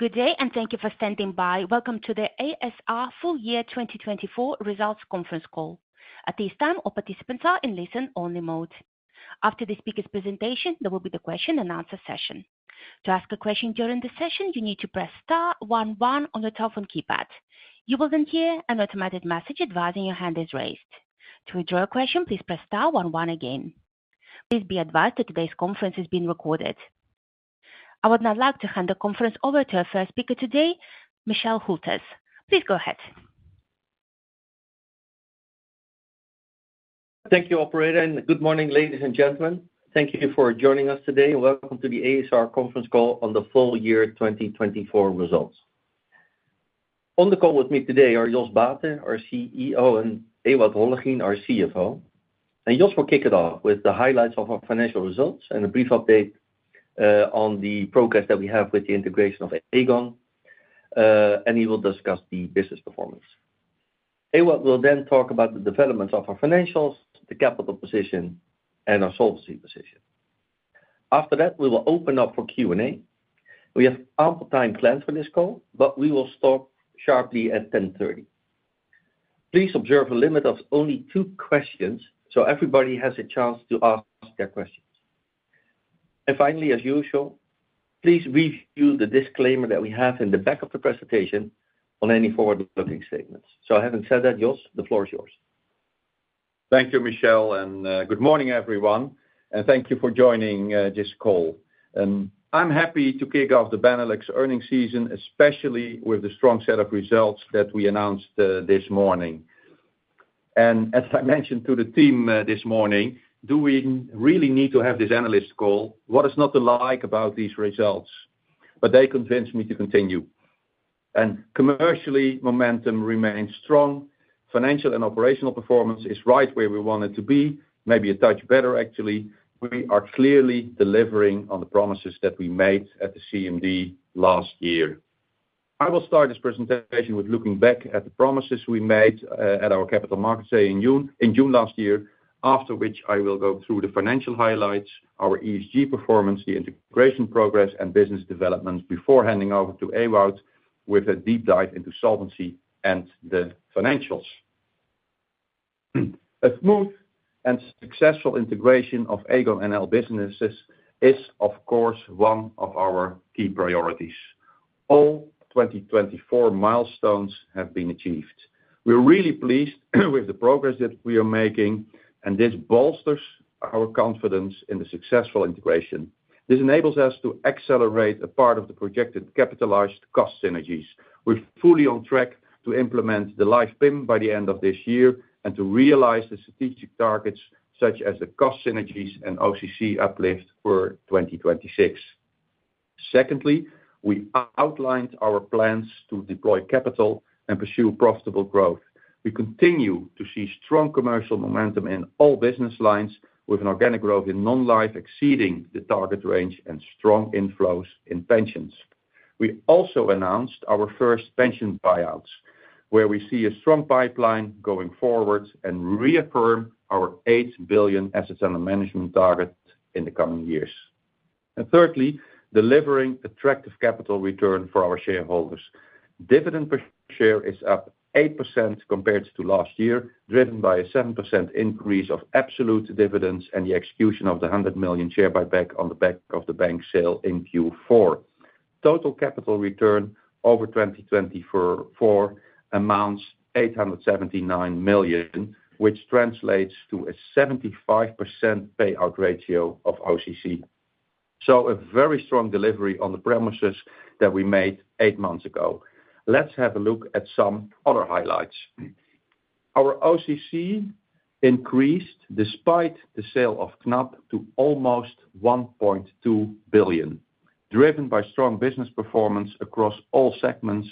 Good day, and thank you for standing by. Welcome to the ASR FY 2024 Results Conference Call. At this time, all participants are in listen-only mode. After the speaker's presentation, there will be the question-and-answer session. To ask a question during the session, you need to press star one one on your telephone keypad. You will then hear an automated message advising your hand is raised. To withdraw a question, please press star one one again. Please be advised that today's conference is being recorded. I would now like to hand the conference over to our first speaker today, Michel Hülters. Please go ahead. Thank you, Operator, and good morning, ladies and gentlemen. Thank you for joining us today, and welcome to the ASR Conference Call on the FY 2024 Results. On the call with me today are Jos Baeten, our CEO, and Ewout Hollegien, our CFO. Jos will kick it off with the highlights of our financial results and a brief update on the progress that we have with the integration of Aegon, and he will discuss the business performance. Ewout will then talk about the developments of our financials, the capital position, and our solvency position. After that, we will open up for Q&A. We have ample time planned for this call, but we will stop sharply at 10:30 A.M. Please observe a limit of only two questions, so everybody has a chance to ask their questions. And finally, as usual, please review the disclaimer that we have in the back of the presentation on any forward-looking statements. So I haven't said that, Jos. The floor is yours. Thank you, Michel, and good morning, everyone, and thank you for joining this call. I'm happy to kick off the Benelux earnings season, especially with the strong set of results that we announced this morning. As I mentioned to the team this morning, do we really need to have this analyst call? What is not to like about these results? They convinced me to continue. Commercially, momentum remains strong. Financial and operational performance is right where we want it to be, maybe a touch better, actually. We are clearly delivering on the promises that we made at the CMD last year. I will start this presentation with looking back at the promises we made at our Capital Markets Day in June last year, after which I will go through the financial highlights, our ESG performance, the integration progress, and business developments before handing over to Ewout with a deep dive into solvency and the financials. A smooth and successful integration of Aegon NL businesses is, of course, one of our key priorities. All 2024 milestones have been achieved. We're really pleased with the progress that we are making, and this bolsters our confidence in the successful integration. This enables us to accelerate a part of the projected capitalized cost synergies. We're fully on track to implement the live PIM by the end of this year and to realize the strategic targets such as the cost synergies and OCC uplift for 2026. Secondly, we outlined our plans to deploy capital and pursue profitable growth. We continue to see strong commercial momentum in all business lines, with an organic growth in non-life exceeding the target range and strong inflows in pensions. We also announced our first pension buyouts, where we see a strong pipeline going forward and reaffirm our 8 billion assets under management target in the coming years. And thirdly, delivering attractive capital return for our shareholders. Dividend per share is up 8% compared to last year, driven by a 7% increase of absolute dividends and the execution of the 100 million share buyback on the back of the bank sale in Q4. Total capital return over 2024 amounts to 879 million, which translates to a 75% payout ratio of OCC. So, a very strong delivery on the promises that we made eight months ago. Let's have a look at some other highlights. Our OCC increased despite the sale of Knab to almost 1.2 billion, driven by strong business performance across all segments.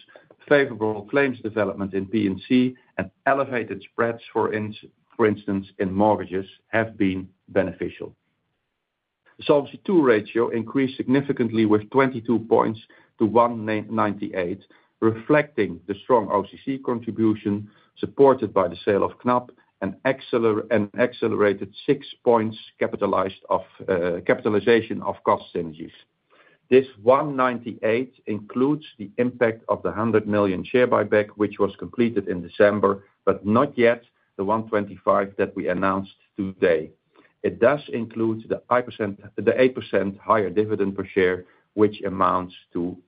Favorable claims development in P&C and elevated spreads, for instance, in mortgages, have been beneficial. The Solvency II ratio increased significantly with 22 points to 198%, reflecting the strong OCC contribution supported by the sale of Knab and accelerated 6 points capitalization of cost synergies. This 198% includes the impact of the 100 million share buyback, which was completed in December, but not yet the 125 million that we announced today. It does include the 8% higher dividend per share, which amounts to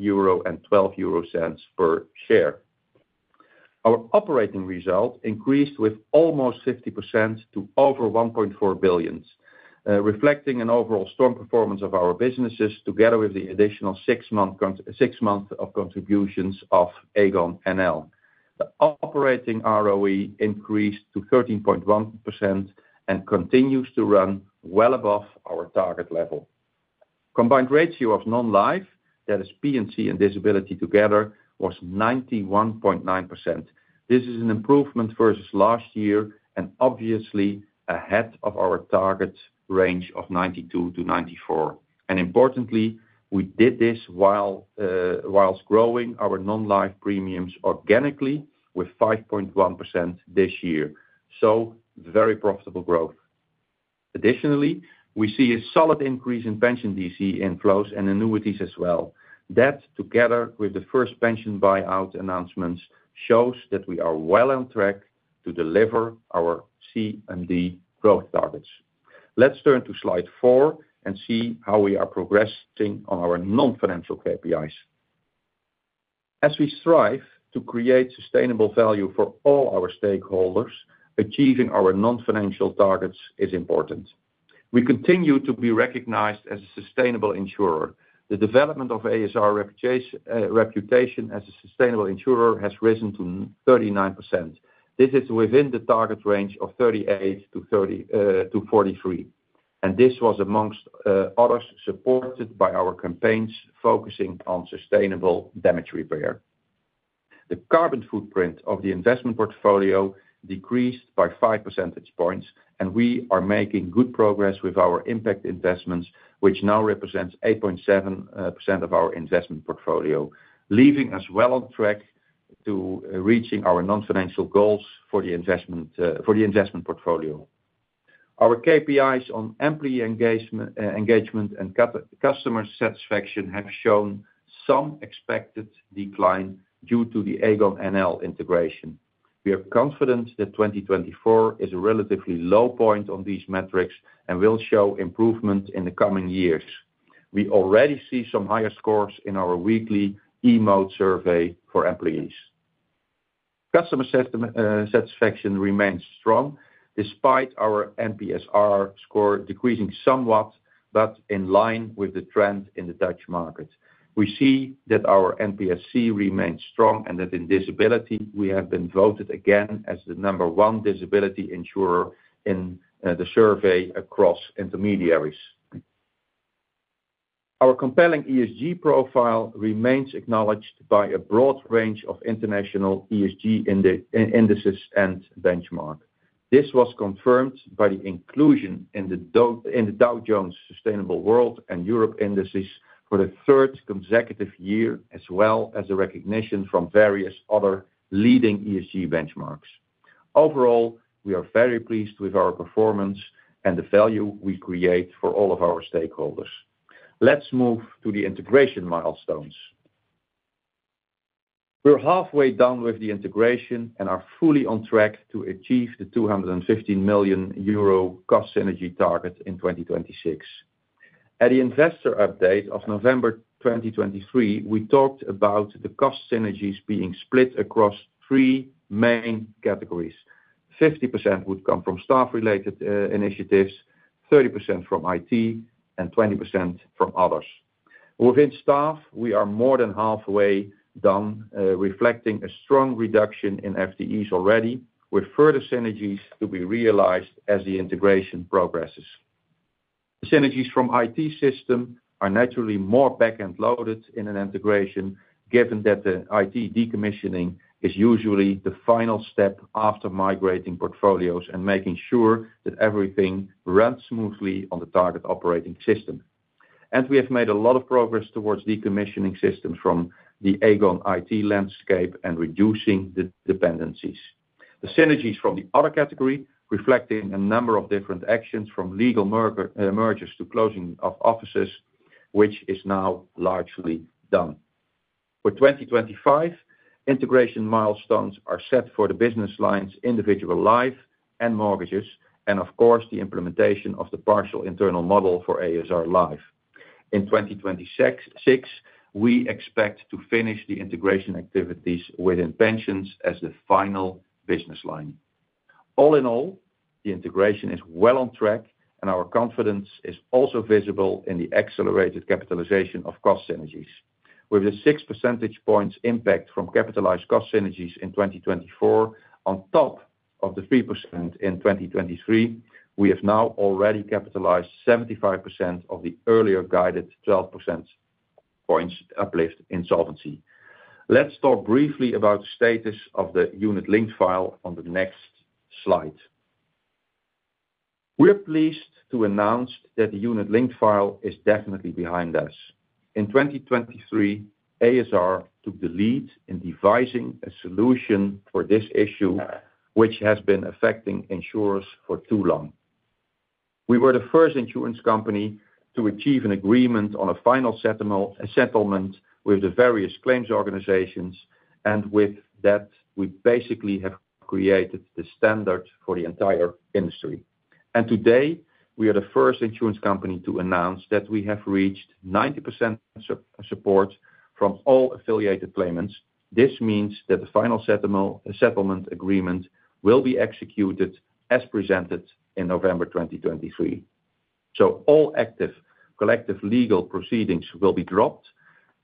3.12 euro per share. Our operating result increased with almost 50% to over 1.4 billion, reflecting an overall strong performance of our businesses together with the additional six months of contributions of Aegon NL. The operating ROE increased to 13.1% and continues to run well above our target level. Combined ratio of non-life, that is P&C and disability together, was 91.9%. This is an improvement versus last year and obviously ahead of our target range of 92%-94%. And importantly, we did this while growing our non-life premiums organically with 5.1% this year. So, very profitable growth. Additionally, we see a solid increase in pension DC inflows and annuities as well. That, together with the first pension buyout announcements, shows that we are well on track to deliver our CMD growth targets. Let's turn to slide four and see how we are progressing on our non-financial KPIs. As we strive to create sustainable value for all our stakeholders, achieving our non-financial targets is important. We continue to be recognized as a sustainable insurer. The development of ASR reputation as a sustainable insurer has risen to 39%. This is within the target range of 38%-43%, and this was, among others, supported by our campaigns focusing on sustainable damage repair. The carbon footprint of the investment portfolio decreased by 5 percentage points, and we are making good progress with our impact investments, which now represents 8.7% of our investment portfolio, leaving us well on track to reaching our non-financial goals for the investment portfolio. Our KPIs on employee engagement and customer satisfaction have shown some expected decline due to the Aegon NL integration. We are confident that 2024 is a relatively low point on these metrics and will show improvement in the coming years. We already see some higher scores in our weekly EMOTE survey for employees. Customer satisfaction remains strong despite our NPS-r score decreasing somewhat, but in line with the trend in the Dutch market. We see that our NPS-c remains strong and that in disability, we have been voted again as the number one disability insurer in the survey across intermediaries. Our compelling ESG profile remains acknowledged by a broad range of international ESG indices and benchmarks. This was confirmed by the inclusion in the Dow Jones Sustainable World and Europe Indices for the third consecutive year, as well as a recognition from various other leading ESG benchmarks. Overall, we are very pleased with our performance and the value we create for all of our stakeholders. Let's move to the integration milestones. We're halfway done with the integration and are fully on track to achieve the 215 million euro cost synergy target in 2026. At the investor update of November 2023, we talked about the cost synergies being split across three main categories. 50% would come from staff-related initiatives, 30% from IT, and 20% from others. Within staff, we are more than halfway done, reflecting a strong reduction in FTEs already, with further synergies to be realized as the integration progresses. The synergies from IT system are naturally more back-end loaded in an integration, given that the IT decommissioning is usually the final step after migrating portfolios and making sure that everything runs smoothly on the target operating system, and we have made a lot of progress towards decommissioning systems from the Aegon IT landscape and reducing the dependencies. The synergies from the other category reflect a number of different actions, from legal mergers to closing of offices, which is now largely done. For 2025, integration milestones are set for the business lines, individual life, and mortgages, and of course, the implementation of the partial internal model for ASR Life. In 2026, we expect to finish the integration activities within pensions as the final business line. All in all, the integration is well on track, and our confidence is also visible in the accelerated capitalization of cost synergies. With the six percentage points impact from capitalized cost synergies in 2024 on top of the 3% in 2023, we have now already capitalized 75% of the earlier guided 12 percentage points uplift in solvency. Let's talk briefly about the status of the unit-linked file on the next slide. We are pleased to announce that the unit-linked file is definitely behind us. In 2023, ASR took the lead in devising a solution for this issue, which has been affecting insurers for too long. We were the first insurance company to achieve an agreement on a final settlement with the various claims organizations, and with that, we basically have created the standard for the entire industry, and today, we are the first insurance company to announce that we have reached 90% support from all affiliated claimants. This means that the final settlement agreement will be executed as presented in November 2023, so all active collective legal proceedings will be dropped,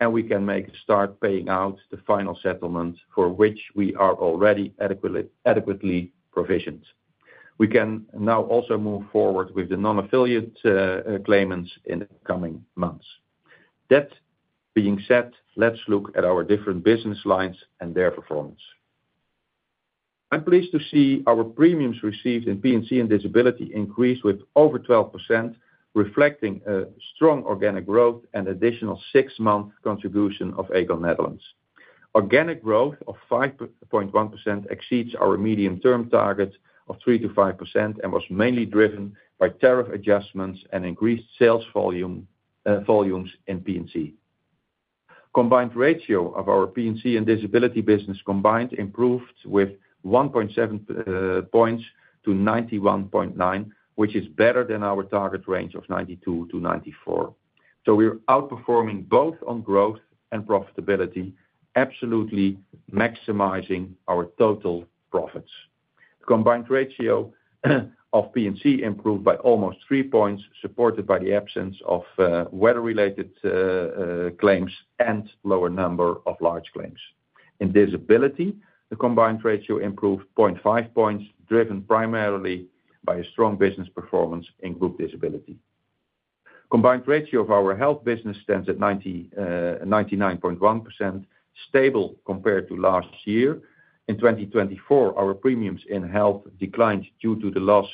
and we can start paying out the final settlement for which we are already adequately provisioned. We can now also move forward with the non-affiliate claimants in the coming months. That being said, let's look at our different business lines and their performance. I'm pleased to see our premiums received in P&C and disability increased with over 12%, reflecting a strong organic growth and additional six-month contribution of Aegon Netherlands. Organic growth of 5.1% exceeds our medium-term target of 3%-5% and was mainly driven by tariff adjustments and increased sales volumes in P&C. Combined ratio of our P&C and disability business combined improved with 1.7 points to 91.9, which is better than our target range of 92-94, so we're outperforming both on growth and profitability, absolutely maximizing our total profits. The combined ratio of P&C improved by almost three points, supported by the absence of weather-related claims and lower number of large claims. In disability, the combined ratio improved 0.5 points, driven primarily by a strong business performance in group disability. Combined ratio of our health business stands at 99.1%, stable compared to last year. In 2024, our premiums in health declined due to the loss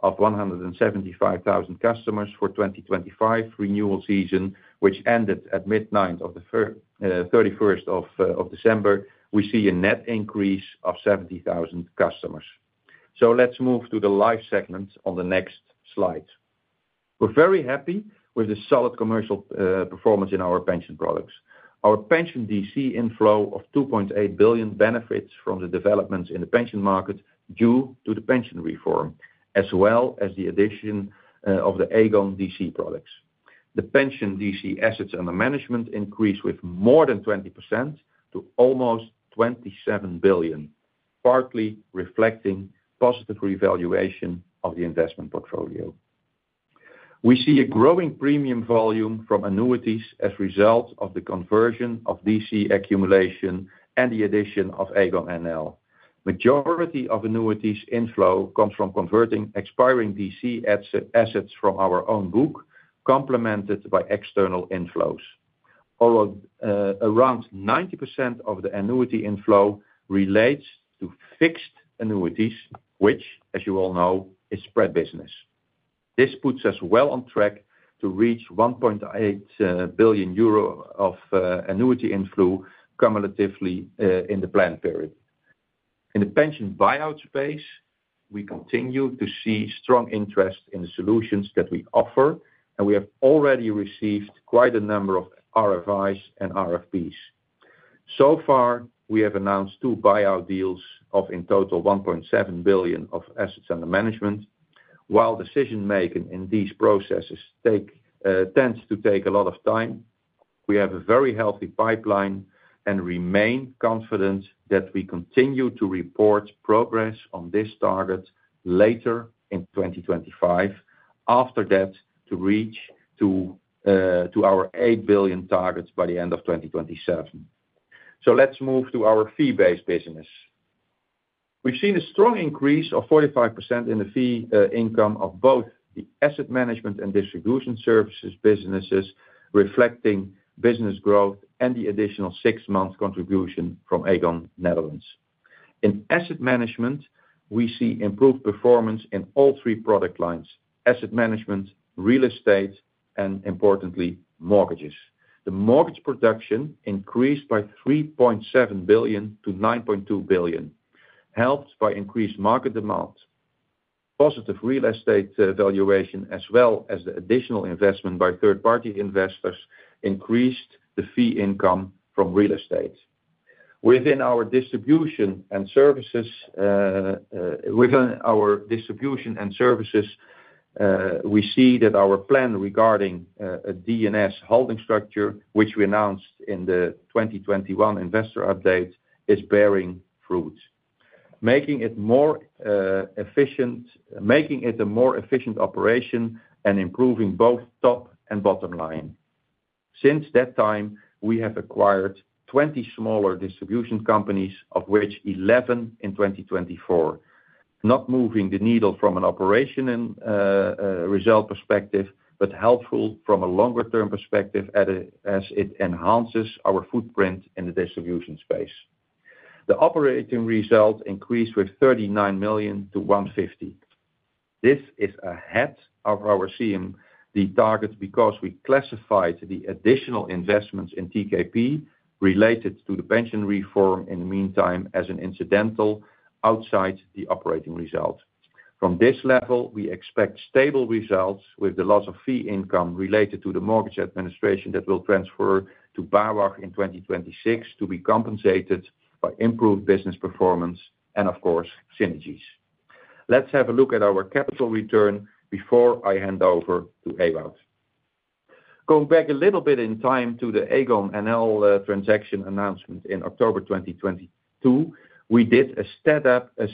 of 175,000 customers for the 2025 renewal season, which ended at midnight of the 31st of December. We see a net increase of 70,000 customers. So, let's move to the life segment on the next slide. We're very happy with the solid commercial performance in our pension products. Our pension DC inflow of 2.8 billion benefits from the developments in the pension market due to the pension reform, as well as the addition of the Aegon DC products. The pension DC assets under management increased with more than 20% to almost 27 billion, partly reflecting positive revaluation of the investment portfolio. We see a growing premium volume from annuities as a result of the conversion of DC accumulation and the addition of Aegon NL. The majority of annuities inflow comes from converting expiring DC assets from our own book, complemented by external inflows. Around 90% of the annuity inflow relates to fixed annuities, which, as you all know, is spread business. This puts us well on track to reach 1.8 billion euro of annuity inflow cumulatively in the planned period. In the pension buyout space, we continue to see strong interest in the solutions that we offer, and we have already received quite a number of RFIs and RFPs. So far, we have announced two buyout deals of in total 1.7 billion of assets under management. While decision-making in these processes tends to take a lot of time, we have a very healthy pipeline and remain confident that we continue to report progress on this target later in 2025, after that to reach to our 8 billion targets by the end of 2027. So, let's move to our fee-based business. We've seen a strong increase of 45% in the fee income of both the asset management and distribution services businesses, reflecting business growth and the additional six-month contribution from Aegon Netherlands. In asset management, we see improved performance in all three product lines: asset management, real estate, and importantly, mortgages. The mortgage production increased by 3.7 billion to 9.2 billion, helped by increased market demand. Positive real estate valuation, as well as the additional investment by third-party investors, increased the fee income from real estate. Within our distribution and services, we see that our plan regarding a D&S holding structure, which we announced in the 2021 investor update, is bearing fruit, making it a more efficient operation and improving both top and bottom line. Since that time, we have acquired 20 smaller distribution companies, of which 11 in 2024, not moving the needle from an operational result perspective, but helpful from a longer-term perspective as it enhances our footprint in the distribution space. The operating result increased with 39 million to 150 million. This is ahead of our CMD target because we classified the additional investments in TKP related to the pension reform in the meantime as incidental outside the operating result. From this level, we expect stable results with the loss of fee income related to the mortgage administration that will transfer to BAWAG in 2026 to be compensated by improved business performance and, of course, synergies. Let's have a look at our capital return before I hand over to Ewout. Going back a little bit in time to the Aegon NL transaction announcement in October 2022, we did a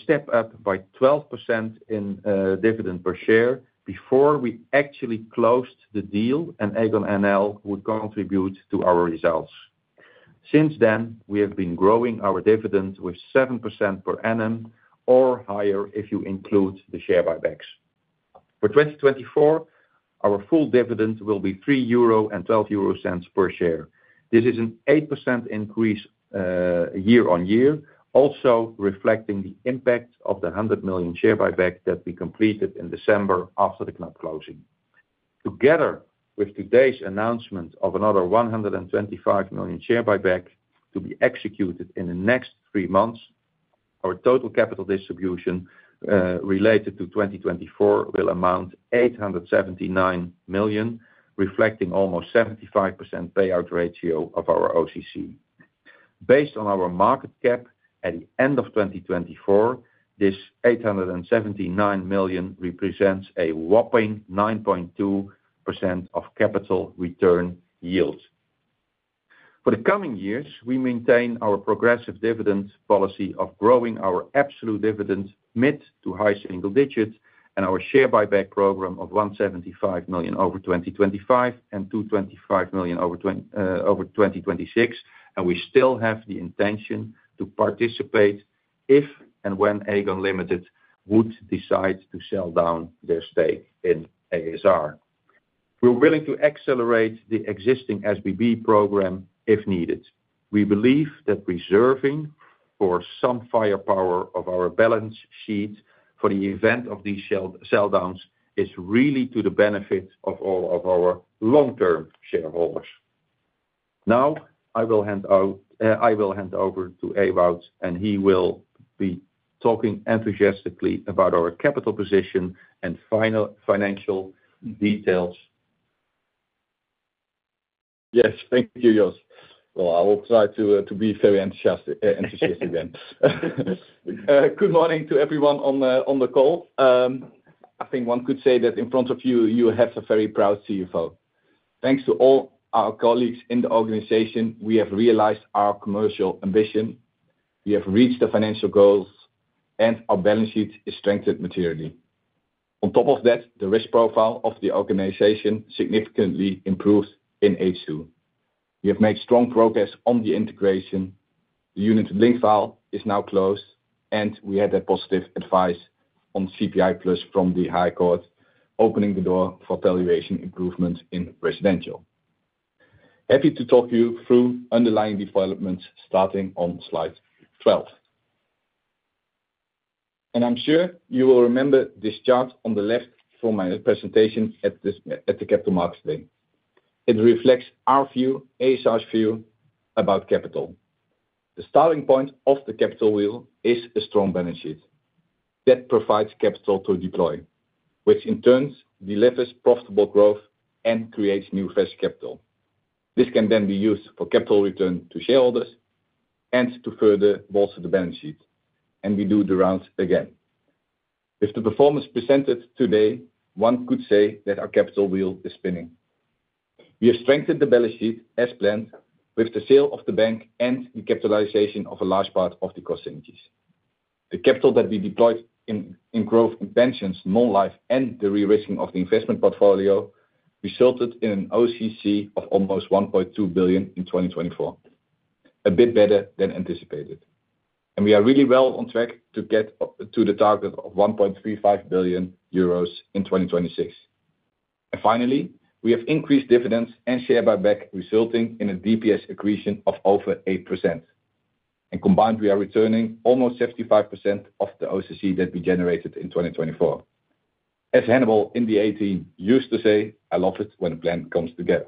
step-up by 12% in dividend per share before we actually closed the deal, and Aegon NL would contribute to our results. Since then, we have been growing our dividend with 7% per annum or higher if you include the share buybacks. For 2024, our full dividend will be 3.12 euro per share. This is an 8% increase year on year, also reflecting the impact of the 100 million share buyback that we completed in December after the Knab closing. Together with today's announcement of another 125 million share buyback to be executed in the next three months, our total capital distribution related to 2024 will amount to 879 million, reflecting almost 75% payout ratio of our OCC. Based on our market cap at the end of 2024, this 879 million represents a whopping 9.2% of capital return yield. For the coming years, we maintain our progressive dividend policy of growing our absolute dividend mid- to high-single-digit and our share buyback program of 175 million over 2025 and 225 million over 2026, and we still have the intention to participate if and when Aegon Limited would decide to sell down their stake in ASR. We're willing to accelerate the existing SBB program if needed. We believe that reserving for some firepower of our balance sheet for the event of these sell-downs is really to the benefit of all of our long-term shareholders. Now, I will hand over to Ewout, and he will be talking enthusiastically about our capital position and final financial details. Yes, thank you, Jos. I will try to be very enthusiastic again. Good morning to everyone on the call. I think one could say that in front of you, you have a very proud CFO. Thanks to all our colleagues in the organization, we have realized our commercial ambition, we have reached the financial goals, and our balance sheet is strengthened materially. On top of that, the risk profile of the organization significantly improved in H2. We have made strong progress on the integration. The unit-linked file is now closed, and we had a positive advice on CPI Plus from the High Court, opening the door for valuation improvements in residential. Happy to talk you through underlying developments starting on slide 12, and I'm sure you will remember this chart on the left from my presentation at the Capital Markets Day. It reflects our view, ASR's view about capital. The starting point of the capital wheel is a strong balance sheet that provides capital to deploy, which in turn delivers profitable growth and creates new fresh capital. This can then be used for capital return to shareholders and to further bolster the balance sheet, and we do the rounds again. With the performance presented today, one could say that our capital wheel is spinning. We have strengthened the balance sheet as planned with the sale of the bank and the capitalization of a large part of the cost synergies. The capital that we deployed in growth in pensions, non-life, and the re-risking of the investment portfolio resulted in an OCC of almost 1.2 billion in 2024, a bit better than anticipated. We are really well on track to get to the target of 1.35 billion euros in 2026. Finally, we have increased dividends and share buyback, resulting in a DPS accretion of over 8%. Combined, we are returning almost 75% of the OCC that we generated in 2024. As Hannibal in the A-Team used to say, "I love it when a plan comes together."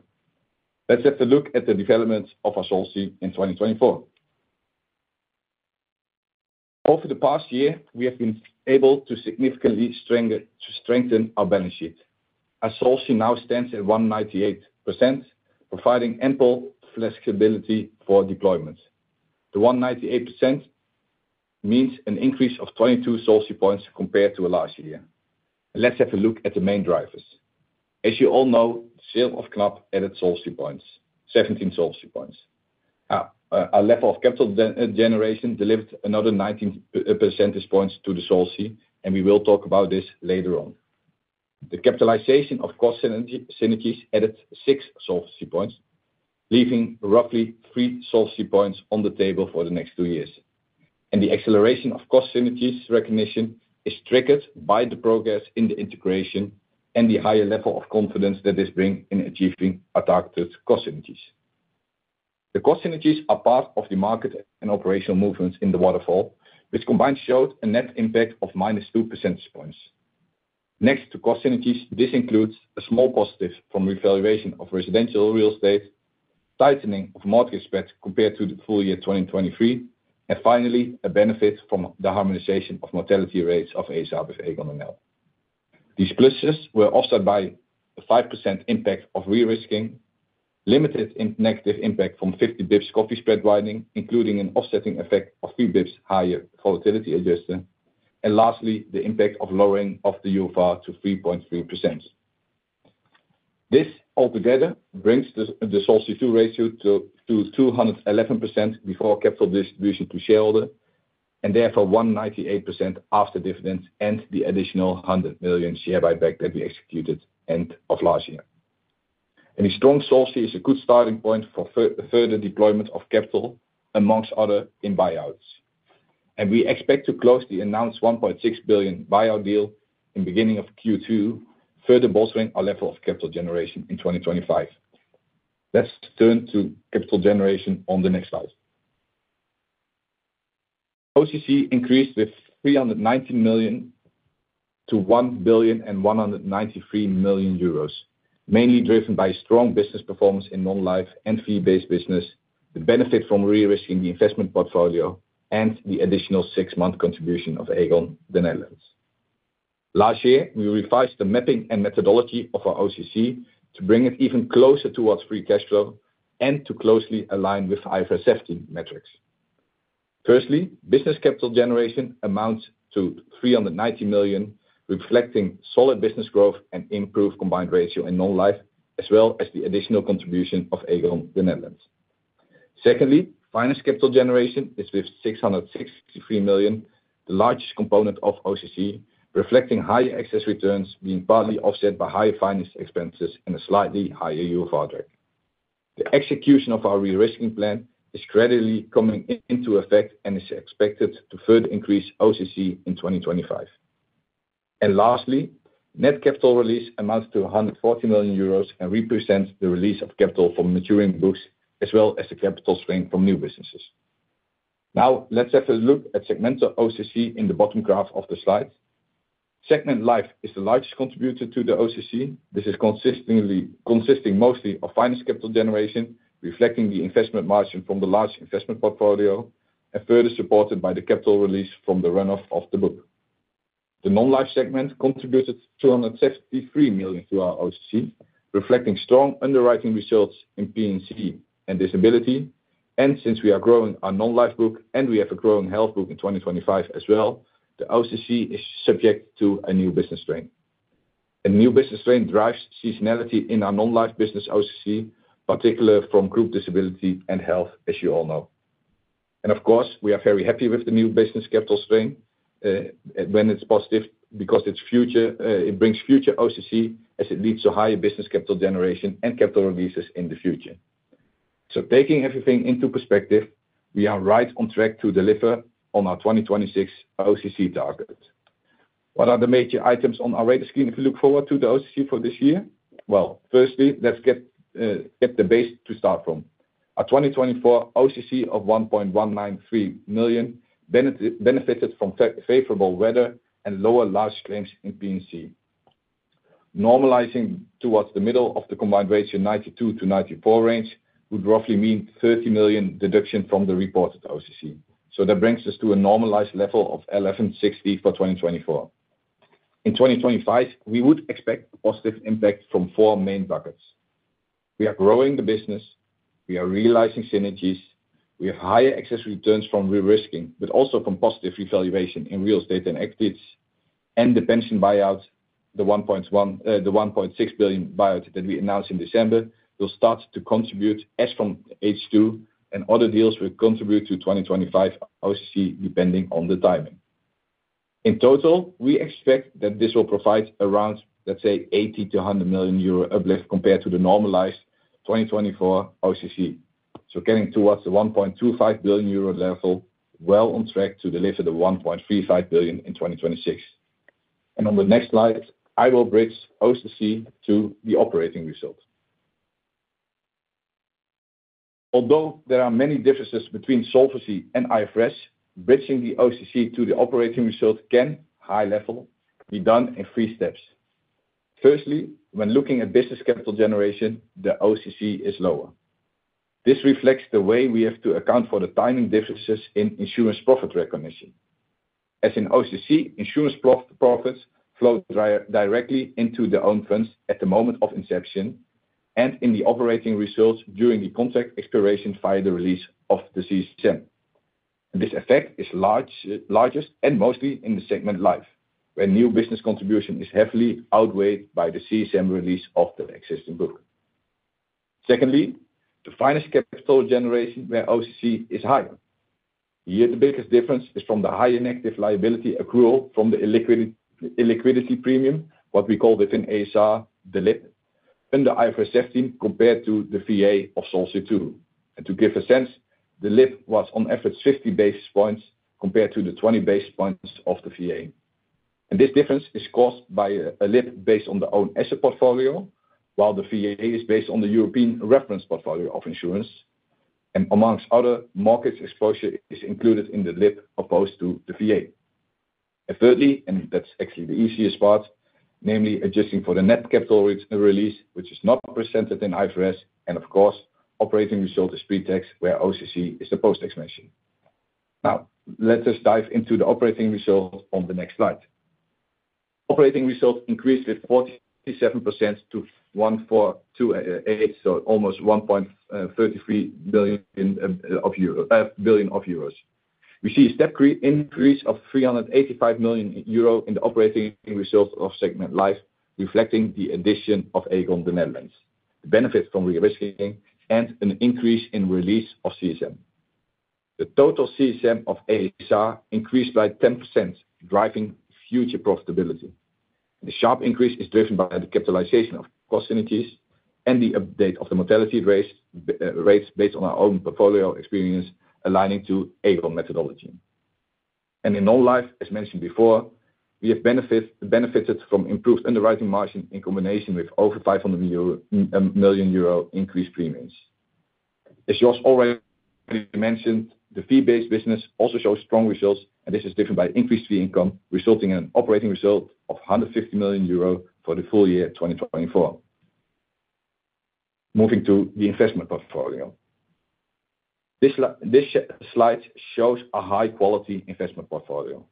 Let's have a look at the developments of our solution in 2024. Over the past year, we have been able to significantly strengthen our balance sheet. Our solvency now stands at 198%, providing ample flexibility for deployments. The 198% means an increase of 22 solvency points compared to last year. Let's have a look at the main drivers. As you all know, the sale of Knab added solvency points, 17 solvency points. Our level of capital generation delivered another 19 percentage points to the solvency, and we will talk about this later on. The capitalization of cost synergies added six solvency points, leaving roughly three solvency points on the table for the next two years, and the acceleration of cost synergies recognition is triggered by the progress in the integration and the higher level of confidence that this brings in achieving our targeted cost synergies. The cost synergies are part of the market and operational movements in the waterfall, which combined showed a net impact of minus 2 percentage points. Next to cost synergies, this includes a small positive from revaluation of residential real estate, tightening of mortgage spreads compared to the full year 2023, and finally, a benefit from the harmonization of mortality rates of ASR with Aegon NL. These pluses were offset by a 5% impact of re-risking, limited negative impact from 50 basis points credit spread widening, including an offsetting effect of 3 basis points higher volatility adjustment, and lastly, the impact of lowering of the UFR to 3.3%. This altogether brings the solvency ratio to 211% before capital distribution to shareholders, and therefore 198% after dividends and the additional 100 million share buyback that we executed end of last year, and the strong solvency is a good starting point for further deployment of capital, amongst other in buyouts. We expect to close the announced 1.6 billion buyout deal in the beginning of Q2, further bolstering our level of capital generation in 2025. Let's turn to capital generation on the next slide. OCC increased with 319 million to 1.193 million euros, mainly driven by strong business performance in non-life and fee-based business, the benefit from re-risking the investment portfolio, and the additional six-month contribution of Aegon Netherlands. Last year, we revised the mapping and methodology of our OCC to bring it even closer towards free cash flow and to closely align with IFRS 17 metrics. Firstly, business capital generation amounts to 390 million, reflecting solid business growth and improved combined ratio in non-life, as well as the additional contribution of Aegon Netherlands. Secondly, finance capital generation is with 663 million, the largest component of OCC, reflecting higher excess returns being partly offset by higher finance expenses and a slightly higher UFR drag. The execution of our re-risking plan is gradually coming into effect and is expected to further increase OCC in 2025. Lastly, net capital release amounts to 140 million euros and represents the release of capital from maturing books, as well as the capital strength from new businesses. Now, let's have a look at segmental OCC in the bottom graph of the slide. Segment life is the largest contributor to the OCC. This is consisting mostly of finance capital generation, reflecting the investment margin from the large investment portfolio, and further supported by the capital release from the run-off of the book. The non-life segment contributed 273 million to our OCC, reflecting strong underwriting results in P&C and disability. Since we are growing our non-life book and we have a growing health book in 2025 as well, the OCC is subject to a new business strain. A new business strain drives seasonality in our non-life business OCC, particularly from group disability and health, as you all know. Of course, we are very happy with the new business capital strain when it's positive because it brings future OCC as it leads to higher business capital generation and capital releases in the future. Taking everything into perspective, we are right on track to deliver on our 2026 OCC target. What are the major items on our radar screen if we look forward to the OCC for this year? Firstly, let's get the base to start from. Our 2024 OCC of 1.193 million benefited from favorable weather and lower large claims in P&C. Normalizing towards the middle of the combined ratio 92%-94% range would roughly mean 30 million deduction from the reported OCC. So that brings us to a normalized level of 11.60% for 2024. In 2025, we would expect positive impact from four main buckets. We are growing the business. We are realizing synergies. We have higher excess returns from re-risking, but also from positive revaluation in real estate and equities. And the pension buyout, the 1.6 billion buyout that we announced in December, will start to contribute as from H2, and other deals will contribute to 2025 OCC depending on the timing. In total, we expect that this will provide around, let's say, 80 million-100 million euro uplift compared to the normalized 2024 OCC. So getting towards the 1.25 billion euro level, well on track to deliver the 1.35 billion in 2026. On the next slide, I will bridge OCC to the operating result. Although there are many differences between solvency and IFRS, bridging the OCC to the operating result can, high level, be done in three steps. Firstly, when looking at business capital generation, the OCC is lower. This reflects the way we have to account for the timing differences in insurance profit recognition. As in OCC, insurance profits flow directly into the own funds at the moment of inception and in the operating results during the contract expiration via the release of the CSM. This effect is largest and mostly in the segment life, where new business contribution is heavily outweighed by the CSM release of the existing book. Secondly, the finance capital generation where OCC is higher. Here, the biggest difference is from the high inactive liability accrual from the illiquidity premium, what we call within ASR, the LIP, under IFRS 17 compared to the VA solution, too. To give a sense, the LIP was on average 50 basis points compared to the 20 basis points of the VA. This difference is caused by a LIP based on the own asset portfolio, while the VA is based on the European reference portfolio of insurance. Among other markets, exposure is included in the LIP opposed to the VA. Thirdly, and that's actually the easiest part, namely adjusting for the net capital release, which is not presented in IFRS. Of course, operating result is pre-tax where OCC is the post-tax. Now, let us dive into the operating result on the next slide. Operating result increased with 47% to 1,428, so almost 1.33 billion of euros. We see a step increase of 385 million euro in the operating result of segment life, reflecting the addition of Aegon Netherlands, the benefit from re-risking, and an increase in release of CSM. The total CSM of ASR increased by 10%, driving future profitability. The sharp increase is driven by the capitalization of cost synergies and the update of the mortality rates based on our own portfolio experience, aligning to Aegon methodology, and in non-life, as mentioned before, we have benefited from improved underwriting margin in combination with over 500 million euro increased premiums. As Jos already mentioned, the fee-based business also shows strong results, and this is driven by increased fee income, resulting in an operating result of 150 million euro for the full year 2024. Moving to the investment portfolio. This slide shows a high-quality investment portfolio.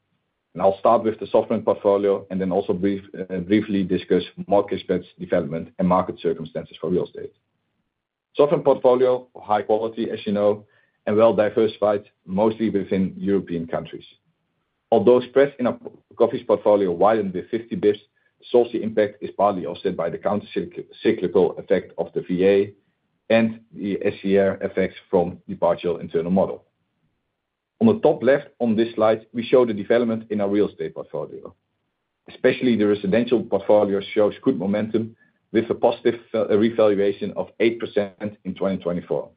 I'll start with the sovereign portfolio and then also briefly discuss market spreads development and market circumstances for real estate. Sovereign portfolio, high quality, as you know, and well-diversified, mostly within European countries. Although spreads in our credit portfolio widened with 50 basis points, the solvency impact is partly offset by the countercyclical effect of the VA and the SCR effects from the partial internal model. On the top left on this slide, we show the development in our real estate portfolio. Especially the residential portfolio shows good momentum with a positive revaluation of 8% in 2024.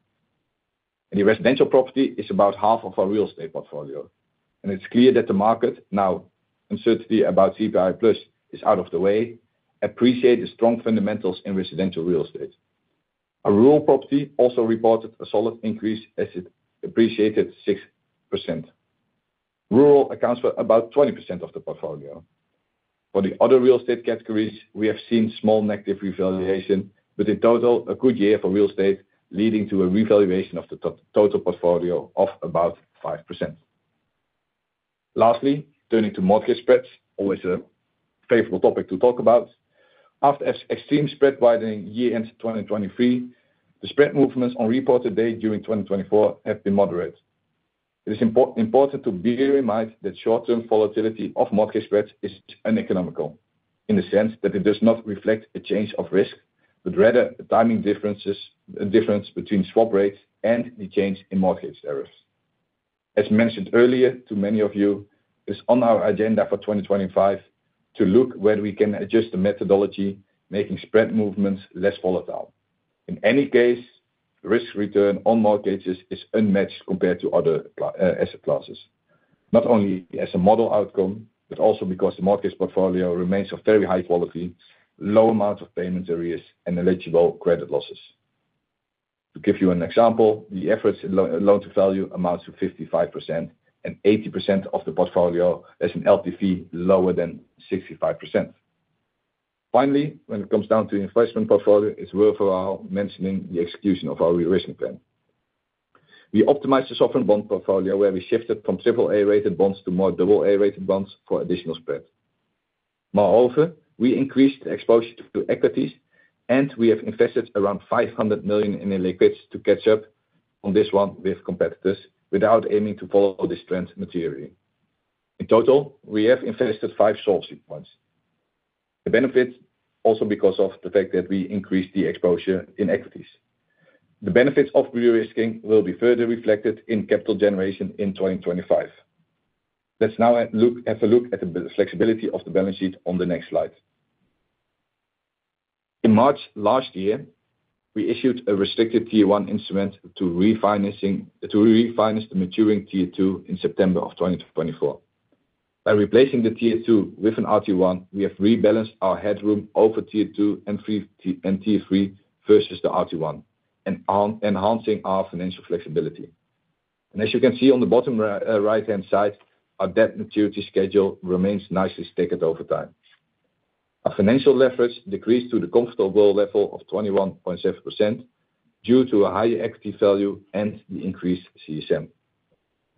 The residential property is about half of our real estate portfolio. It's clear that the market, now uncertainty about CPI Plus is out of the way, appreciates the strong fundamentals in residential real estate. Our retail property also reported a solid increase as it appreciated 6%. Rural accounts for about 20% of the portfolio. For the other real estate categories, we have seen small negative revaluation, but in total, a good year for real estate, leading to a revaluation of the total portfolio of about 5%. Lastly, turning to mortgage spreads, always a favorable topic to talk about. After extreme spread widening year-end 2023, the spread movements on reporting date during 2024 have been moderate. It is important to bear in mind that short-term volatility of mortgage spreads is uneconomical in the sense that it does not reflect a change of risk, but rather the timing difference between swap rates and the change in mortgage tariffs. As mentioned earlier to many of you, it is on our agenda for 2025 to look where we can adjust the methodology, making spread movements less volatile. In any case, risk return on mortgages is unmatched compared to other asset classes, not only as a model outcome, but also because the mortgage portfolio remains of very high quality, low amounts of payment arrears, and eligible credit losses. To give you an example, the average loan to value amounts to 55% and 80% of the portfolio as an LtMV lower than 65%. Finally, when it comes down to the investment portfolio, it's worthwhile mentioning the execution of our re-risking plan. We optimized the sovereign bond portfolio where we shifted from triple-A rated bonds to more double-A rated bonds for additional spread. Moreover, we increased the exposure to equities, and we have invested around 500 million in illiquids to catch up on this one with competitors without aiming to follow this trend materially. In total, we have invested five solvency points. The benefits also because of the fact that we increased the exposure in equities. The benefits of re-risking will be further reflected in capital generation in 2025. Let's now have a look at the flexibility of the balance sheet on the next slide. In March last year, we issued a restricted tier one instrument to refinance the maturing tier two in September of 2024. By replacing the tier two with an RT1, we have rebalanced our headroom over tier two and tier three versus the RT1, enhancing our financial flexibility. And as you can see on the bottom right-hand side, our debt maturity schedule remains nicely staggered over time. Our financial leverage decreased to the comfortable level of 21.7% due to a higher equity value and the increased CSM.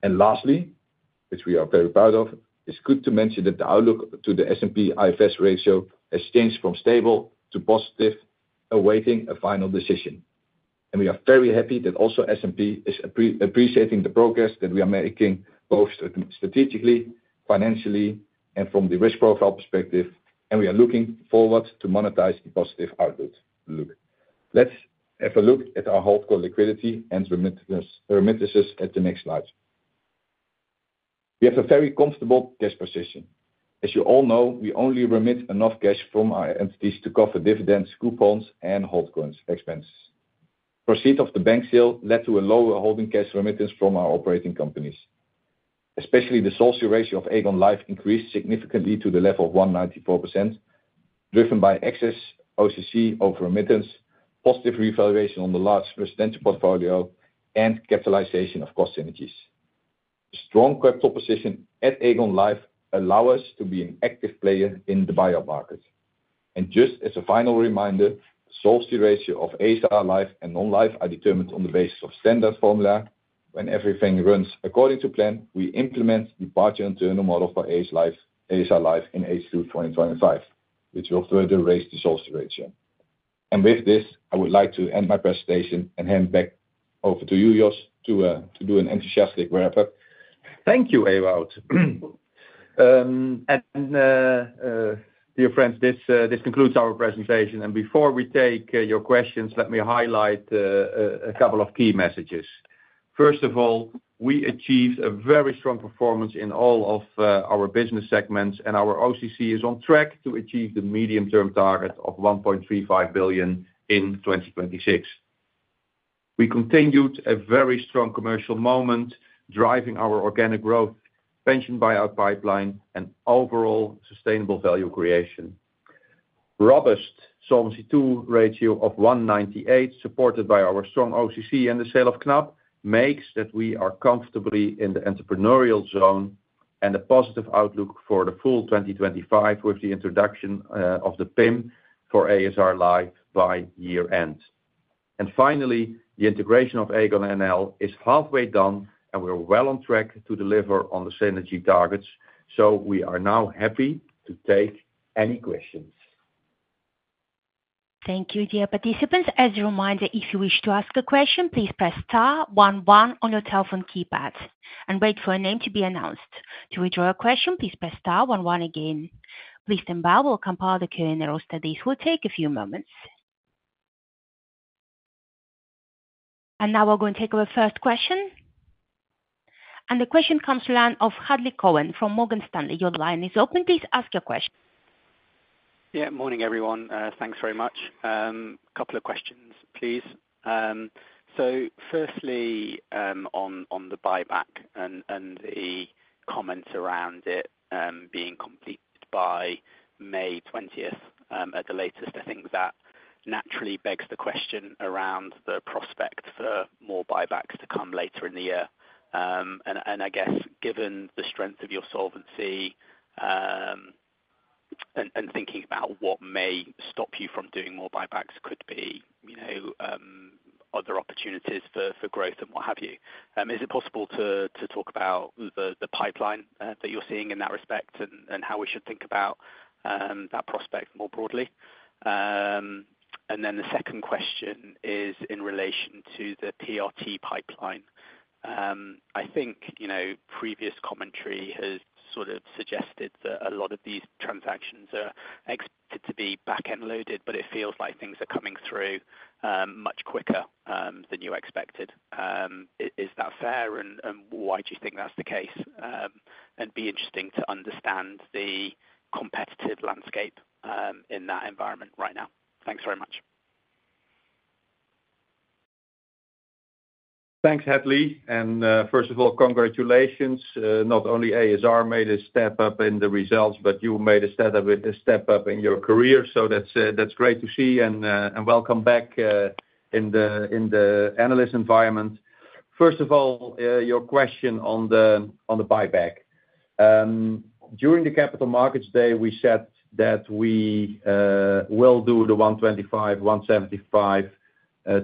Lastly, which we are very proud of, it's good to mention that the outlook for the S&P's IFS ratio has changed from stable to positive, awaiting a final decision. We are very happy that also S&P is appreciating the progress that we are making both strategically, financially, and from the risk profile perspective, and we are looking forward to monetize the positive outlook. Let's have a look at our HoldCo liquidity and remittances at the next slide. We have a very comfortable cash position. As you all know, we only remit enough cash from our entities to cover dividends, coupons, and HoldCo's expenses. Proceeds of the bank sale led to a lower holding cash remittance from our operating companies. Especially the solvency ratio of Aegon Life increased significantly to the level of 194%, driven by excess OCC over remittance, positive revaluation on the large residential portfolio, and capitalization of cost synergies. Strong capital position at Aegon Life allows us to be an active player in the buyout market. And just as a final reminder, the solvency ratio of ASR Life and non-life are determined on the basis of standard formula. When everything runs according to plan, we implement the Partial Internal Model for ASR Life in H2 2025, which will further raise the solvency ratio. And with this, I would like to end my presentation and hand back over to you, Jos, to do an enthusiastic wrap-up. Thank you, Ewout. And dear friends, this concludes our presentation. And before we take your questions, let me highlight a couple of key messages. First of all, we achieved a very strong performance in all of our business segments, and our OCC is on track to achieve the medium-term target of 1.35 billion in 2026. We continued a very strong commercial momentum, driving our organic growth, pension buyout pipeline, and overall sustainable value creation. Robust solvency ratio of 198%, supported by our strong OCC and the sale of Knab, makes that we are comfortably in the entrepreneurial zone and a positive outlook for the full 2025 with the introduction of the PIM for ASR Life by year-end. Finally, the integration of Aegon NL is halfway done, and we're well on track to deliver on the synergy targets. We are now happy to take any questions. Thank you, dear participants. As a reminder, if you wish to ask a question, please press star one one on your telephone keypad and wait for a name to be announced. To withdraw a question, please press star one one again. Please stand by. We'll compile the Q&A roster. This will take a few moments. And now we're going to take our first question. And the question comes to the line of Hadley Cohen from Morgan Stanley. Your line is open. Please ask your question. Yeah, morning everyone. Thanks very much. A couple of questions, please. So firstly, on the buyback and the comments around it being completed by May 20th at the latest, I think that naturally begs the question around the prospect for more buybacks to come later in the year. And I guess given the strength of your solvency and thinking about what may stop you from doing more buybacks, could be other opportunities for growth and what have you. Is it possible to talk about the pipeline that you're seeing in that respect and how we should think about that prospect more broadly? And then the second question is in relation to the PRT pipeline. I think previous commentary has sort of suggested that a lot of these transactions are expected to be back-end loaded, but it feels like things are coming through much quicker than you expected. Is that fair? And why do you think that's the case? And it'd be interesting to understand the competitive landscape in that environment right now. Thanks very much. Thanks, Hadley. And first of all, congratulations. Not only ASR made a step up in the results, but you made a step up in your career, so that's great to see and welcome back in the analyst environment. First of all, your question on the buyback. During the Capital Markets Day, we said that we will do the 125, 175,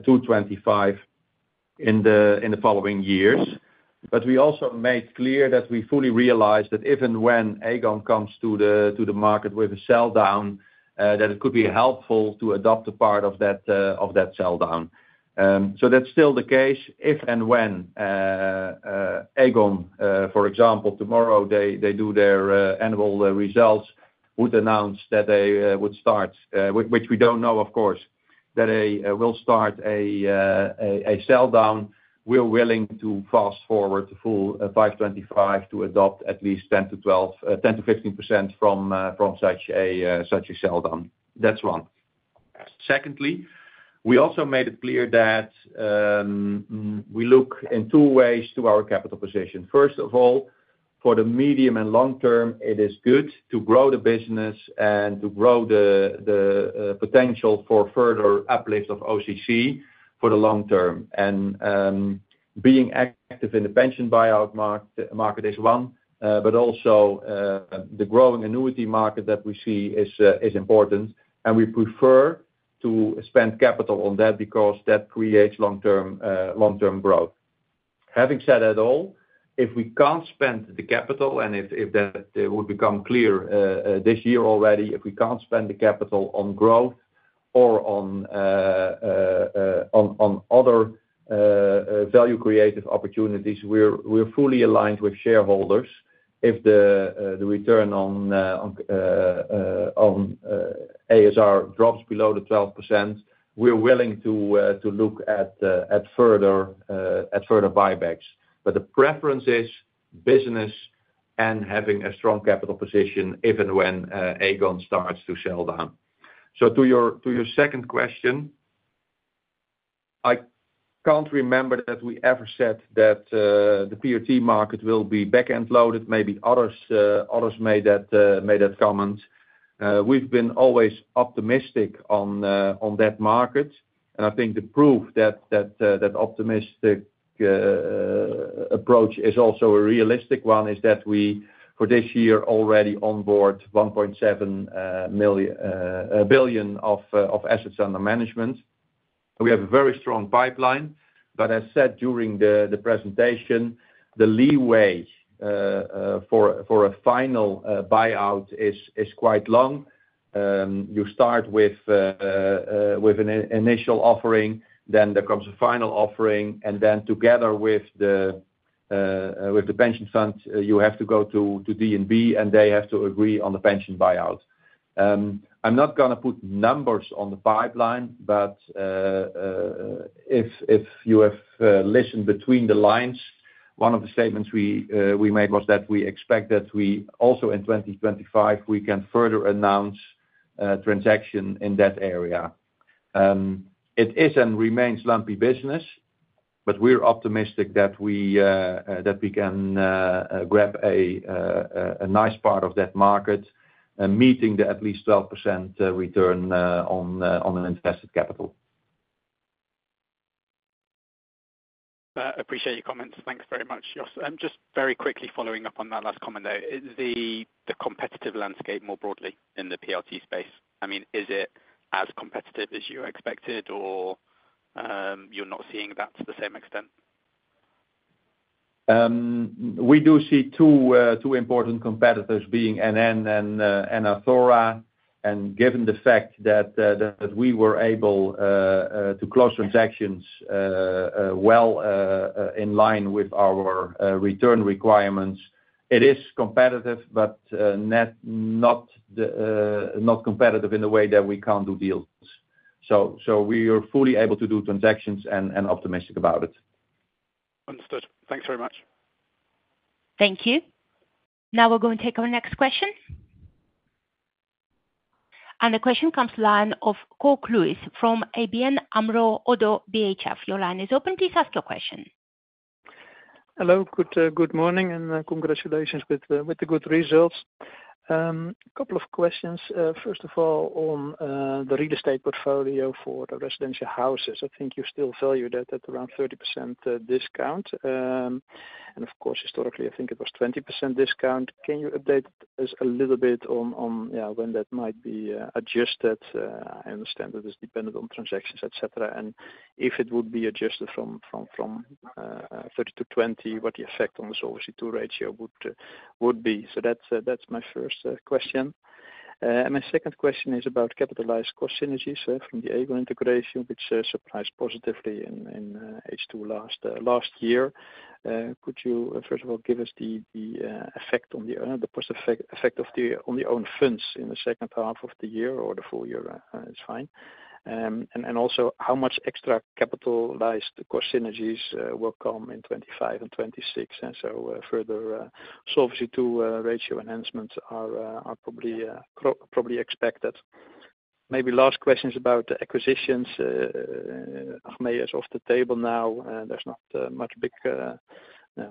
225 in the following years, but we also made clear that we fully realize that if and when Aegon comes to the market with a sell down, that it could be helpful to adopt a part of that sell down, so that's still the case. If and when Aegon, for example, tomorrow they do their annual results, would announce that they would start, which we don't know, of course, that they will start a sell down, we're willing to fast forward to full 525 to adopt at least 10%-15% from such a sell down. That's one. Secondly, we also made it clear that we look in two ways to our capital position. First of all, for the medium and long term, it is good to grow the business and to grow the potential for further uplift of OCC for the long term. And being active in the pension buyout market is one, but also the growing annuity market that we see is important. And we prefer to spend capital on that because that creates long-term growth. Having said all that, if we can't spend the capital, and if that would become clear this year already, if we can't spend the capital on growth or on other value creative opportunities, we're fully aligned with shareholders. If the return on ASR drops below the 12%, we're willing to look at further buybacks. The preference is business and having a strong capital position if and when Aegon starts to sell down. To your second question, I can't remember that we ever said that the PRT market will be back-end loaded. Maybe others made that comment. We've been always optimistic on that market. I think the proof that optimistic approach is also a realistic one is that we for this year already onboard 1.7 billion of assets under management. We have a very strong pipeline. As said during the presentation, the leeway for a final buyout is quite long. You start with an initial offering, then there comes a final offering, and then together with the pension fund, you have to go to DNB and they have to agree on the pension buyout. I'm not going to put numbers on the pipeline, but if you have listened between the lines, one of the statements we made was that we expect that we also in 2025, we can further announce transaction in that area. It is and remains lumpy business, but we're optimistic that we can grab a nice part of that market, meeting the at least 12% return on invested capital. I appreciate your comments. Thanks very much, Jos. Just very quickly following up on that last comment there, the competitive landscape more broadly in the PRT space. I mean, is it as competitive as you expected or you're not seeing that to the same extent? We do see two important competitors being NN and Athora. Given the fact that we were able to close transactions well in line with our return requirements, it is competitive, but not competitive in the way that we can't do deals. So we are fully able to do transactions and optimistic about it. Understood. Thanks very much. Thank you. Now we're going to take our next question. And the question comes to the line of Cor Kluis from ABN AMRO-ODDO BHF. Your line is open. Please ask your question. Hello, good morning and congratulations with the good results. A couple of questions. First of all, on the real estate portfolio for the residential houses, I think you still value that at around 30% discount. And of course, historically, I think it was 20% discount. Can you update us a little bit on when that might be adjusted? I understand that it's dependent on transactions, etc. If it would be adjusted from 30 to 20, what the effect on the Solvency II ratio would be? That's my first question. My second question is about capitalized cost synergies from the Aegon integration, which surprised positively in H2 last year. Could you, first of all, give us the effect on the cost effect on the own funds in the second half of the year or the full year? It's fine. Also, how much extra capitalized cost synergies will come in 2025 and 2026? So further Solvency II ratio enhancements are probably expected. My last questions about the acquisitions. Achmea is off the table now. There's not much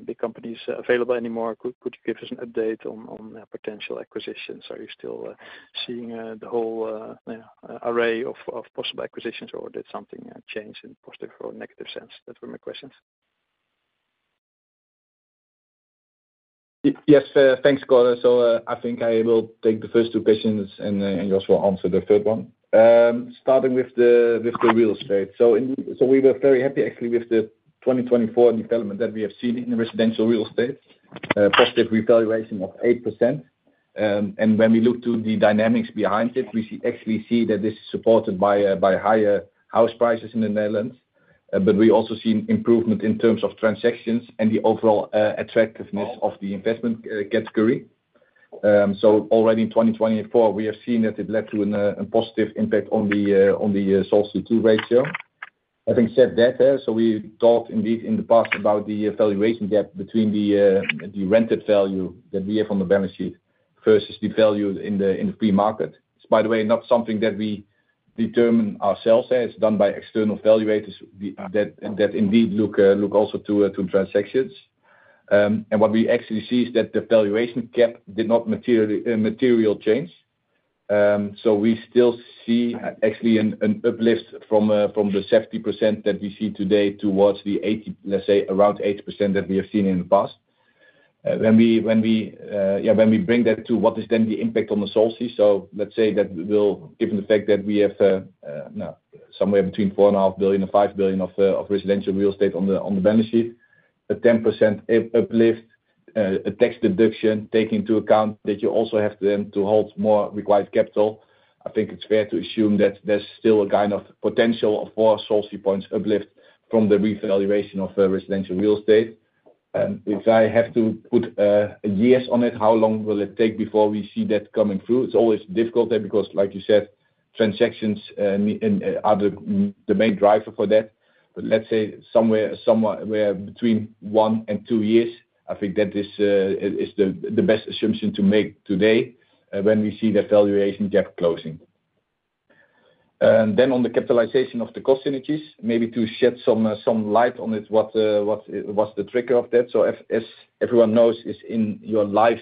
big companies available anymore. Could you give us an update on potential acquisitions? Are you still seeing the whole array of possible acquisitions or did something change in positive or negative sense? That were my questions. Yes, thanks, Cor. I think I will take the first two questions and Jos also answer the third one. Starting with the real estate. We were very happy actually with the 2024 development that we have seen in residential real estate, positive revaluation of 8%. And when we look to the dynamics behind it, we actually see that this is supported by higher house prices in the Netherlands. But we also see improvement in terms of transactions and the overall attractiveness of the investment category. Already in 2024, we have seen that it led to a positive impact on the solvency ratio. Having said that, we talked indeed in the past about the valuation gap between the rental value that we have on the balance sheet versus the value in the free market. By the way, not something that we determine ourselves. It's done by external valuators that indeed look also to transactions. And what we actually see is that the valuation gap did not materially change. So we still see actually an uplift from the 70% that we see today towards the, let's say, around 8% that we have seen in the past. When we bring that to what is then the impact on the solvency? So let's say that we'll, given the fact that we have somewhere between 4.5 billion and 5 billion of residential real estate on the balance sheet, a 10% uplift, a tax deduction taken into account that you also have to hold more required capital. I think it's fair to assume that there's still a kind of potential for solvency points uplift from the revaluation of residential real estate. If I have to put years on it, how long will it take before we see that coming through? It's always difficult because, like you said, transactions are the main driver for that. But let's say somewhere between one and two years. I think that is the best assumption to make today when we see the valuation gap closing. And then on the capitalization of the cost synergies, maybe to shed some light on it, what was the trigger of that? So as everyone knows, in your life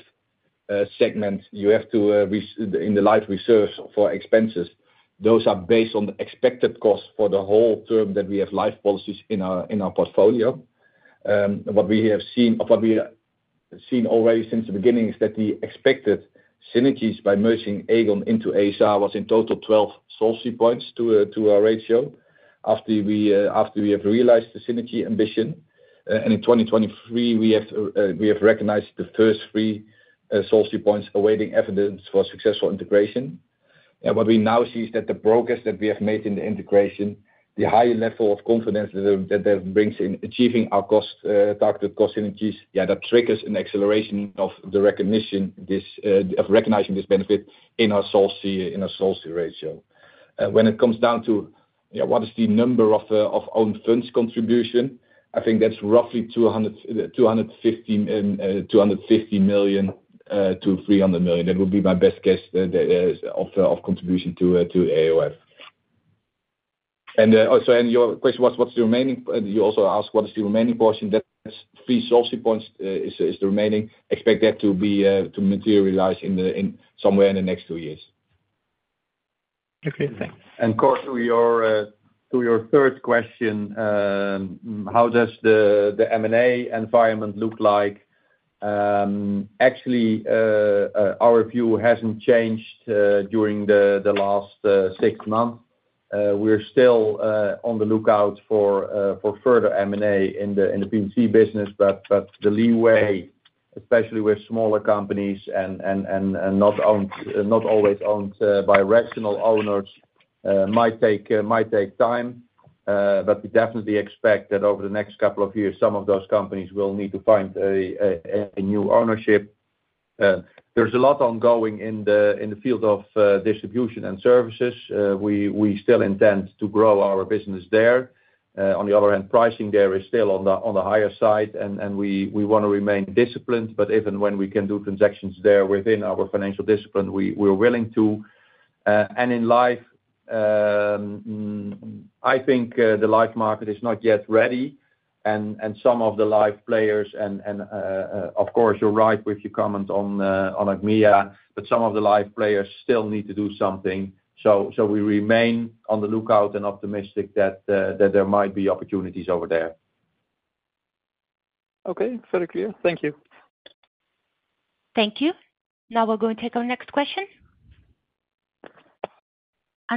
segment, you have to include in the life reserves for expenses. Those are based on the expected cost for the whole term that we have life policies in our portfolio. What we have seen already since the beginning is that the expected synergies by merging Aegon into ASR was in total 12 solvency points to our ratio after we have realized the synergy ambition. In 2023, we have recognized the first three solvency points awaiting evidence for successful integration. What we now see is that the progress that we have made in the integration, the high level of confidence that that brings in achieving our targeted cost synergies, yeah, that triggers an acceleration of the recognition of this benefit in our solvency ratio. When it comes down to what is the number of own funds contribution, I think that's roughly 250 million-300 million. That would be my best guess of contribution to AOF. Your question was, what's the remaining? You also asked what is the remaining portion. That's three solvency points is the remaining. Expect that to materialize somewhere in the next two years. Okay. Thanks. And Cor, to your third question, how does the M&A environment look like? Actually, our view hasn't changed during the last six months. We're still on the lookout for further M&A in the P&C business, but the leeway, especially with smaller companies and not always owned by rational owners, might take time. But we definitely expect that over the next couple of years, some of those companies will need to find a new ownership. There's a lot ongoing in the field of distribution and services. We still intend to grow our business there. On the other hand, pricing there is still on the higher side, and we want to remain disciplined. But even when we can do transactions there within our financial discipline, we're willing to. In life, I think the life market is not yet ready. Some of the life players, and of course, you're right with your comment on Achmea, but some of the life players still need to do something. We remain on the lookout and optimistic that there might be opportunities over there. Okay. Very clear. Thank you. Thank you. Now we're going to take our next question.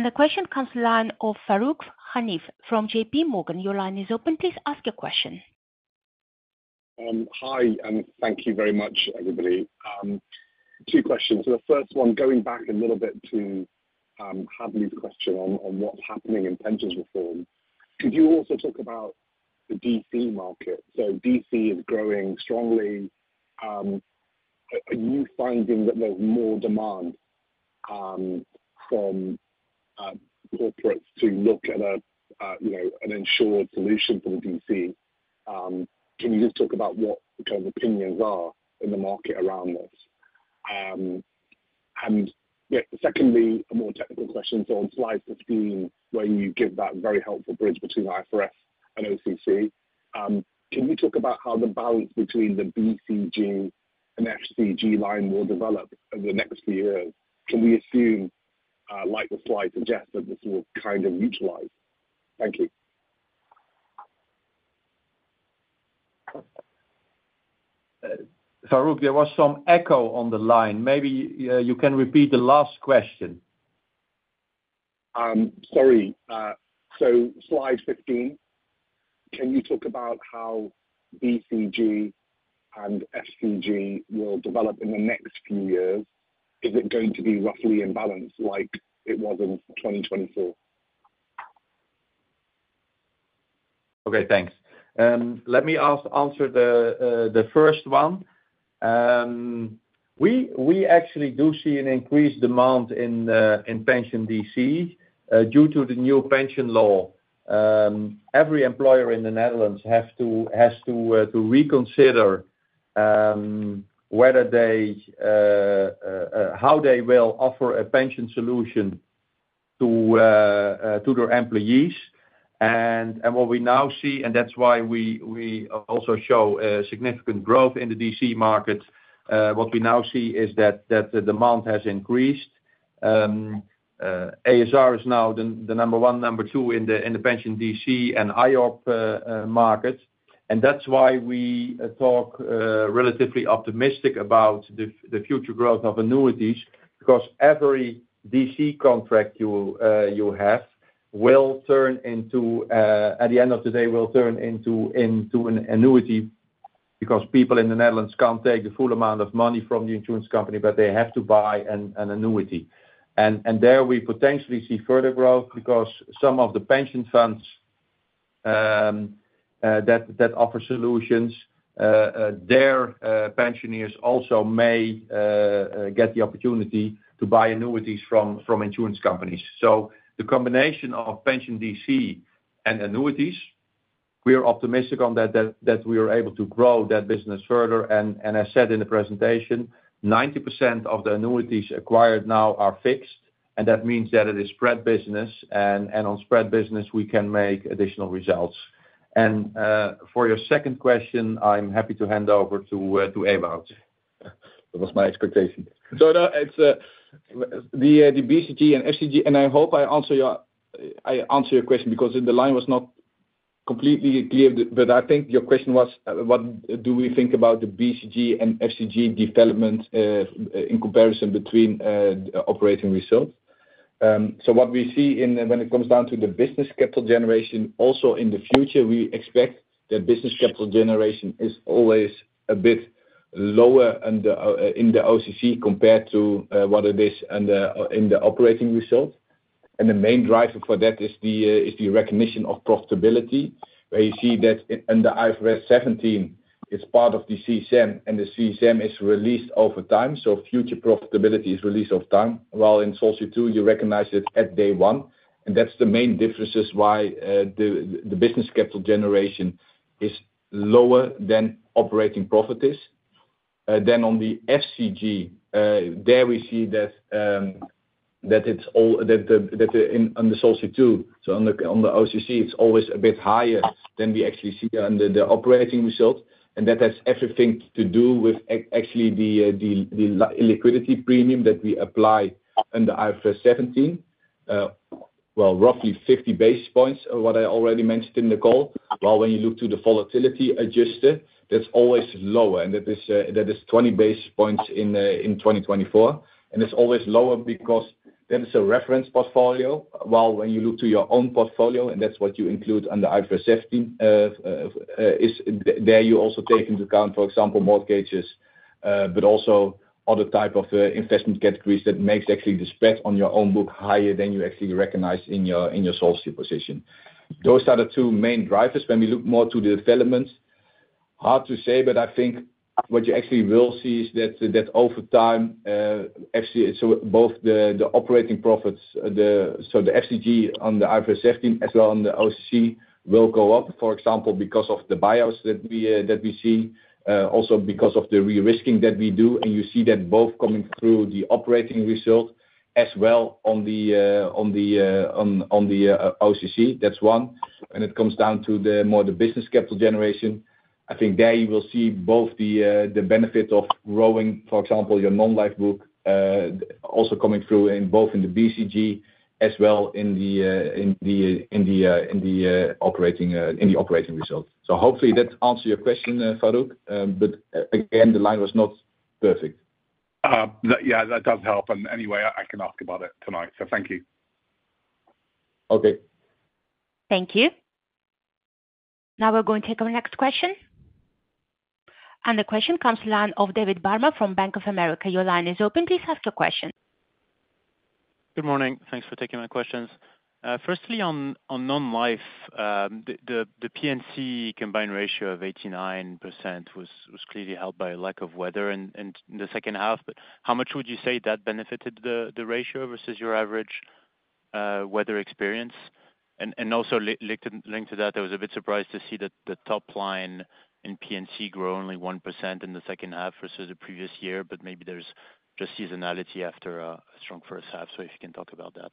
The question comes to the line of Farooq Hanif from J.P. Morgan. Your line is open. Please ask your question. Hi. Thank you very much, everybody. Two questions. The first one, going back a little bit to Hadley's question on what's happening in pensions reform, could you also talk about the DC market? DC is growing strongly. Are you finding that there's more demand from corporates to look at an insured solution for the DC? Can you just talk about what the kind of opinions are in the market around this? And secondly, a more technical question. So on slide 15, where you give that very helpful bridge between IFRS and OCC, can you talk about how the balance between the BCG and FCG line will develop over the next few years? Can we assume, like the slide suggests, that this will kind of neutralize? Thank you. Farooq, there was some echo on the line. Maybe you can repeat the last question. Sorry. So slide 15, can you talk about how BCG and FCG will develop in the next few years? Is it going to be roughly in balance like it was in 2024? Okay. Thanks. Let me answer the first one. We actually do see an increased demand in pension DC due to the new pension law. Every employer in the Netherlands has to reconsider how they will offer a pension solution to their employees, and what we now see, and that's why we also show significant growth in the DC market, what we now see is that the demand has increased. ASR is now the number one, number two in the pension DC and AuM market, and that's why we talk relatively optimistic about the future growth of annuities because every DC contract you have will turn into, at the end of the day, will turn into an annuity because people in the Netherlands can't take the full amount of money from the insurance company, but they have to buy an annuity, and there we potentially see further growth because some of the pension funds that offer solutions, their pensioners also may get the opportunity to buy annuities from insurance companies. The combination of pension DC and annuities, we are optimistic that we are able to grow that business further. As said in the presentation, 90% of the annuities acquired now are fixed. That means that it is spread business. On spread business, we can make additional results. For your second question, I'm happy to hand over to Ewout. That was my expectation. The BCG and FCG, and I hope I answer your question because the line was not completely clear, but I think your question was, what do we think about the BCG and FCG development in comparison between operating results? What we see when it comes down to the business capital generation, also in the future, we expect that business capital generation is always a bit lower in the OCC compared to what it is in the operating result. And the main driver for that is the recognition of profitability, where you see that in the IFRS 17, it's part of the CSM, and the CSM is released over time. So future profitability is released over time, while in Solvency II, you recognize it at day one. And that's the main differences why the business capital generation is lower than operating profit is. Then on the FCG, there we see that it's all that on the Solvency II. So on the OCC, it's always a bit higher than we actually see under the operating result. And that has everything to do with actually the illiquidity premium that we apply under IFRS 17, well, roughly 50 basis points, what I already mentioned in the call. While when you look to the volatility adjustment, that's always lower. And that is 20 basis points in 2024. And it's always lower because that is a reference portfolio. While when you look to your own portfolio, and that's what you include under IFRS 17, there you also take into account, for example, mortgages, but also other types of investment categories that makes actually the spread on your own book higher than you actually recognize in your solvency position. Those are the two main drivers. When we look more to the development, hard to say, but I think what you actually will see is that over time, actually, it's both the operating profits, so the FCG on the IFRS 17 as well on the OCC will go up, for example, because of the buyouts that we see, also because of the re-risking that we do. And you see that both coming through the operating result as well on the OCC. That's one. When it comes down to more the business capital generation, I think there you will see both the benefit of growing, for example, your non-life book also coming through both in the BCG as well in the operating result. So hopefully that answers your question, Farooq. But again, the line was not perfect. Yeah, that does help. And anyway, I can ask about it tonight. So thank you. Okay. Thank you. Now we're going to take our next question. And the question comes to the line of David Barma from Bank of America. Your line is open. Please ask your question. Good morning. Thanks for taking my questions. Firstly, on non-life, the P&C combined ratio of 89% was clearly helped by lack of weather in the second half. But how much would you say that benefited the ratio versus your average weather experience? And also linked to that, I was a bit surprised to see that the top line in P&C grew only 1% in the second half versus the previous year, but maybe there's just seasonality after a strong first half. So if you can talk about that.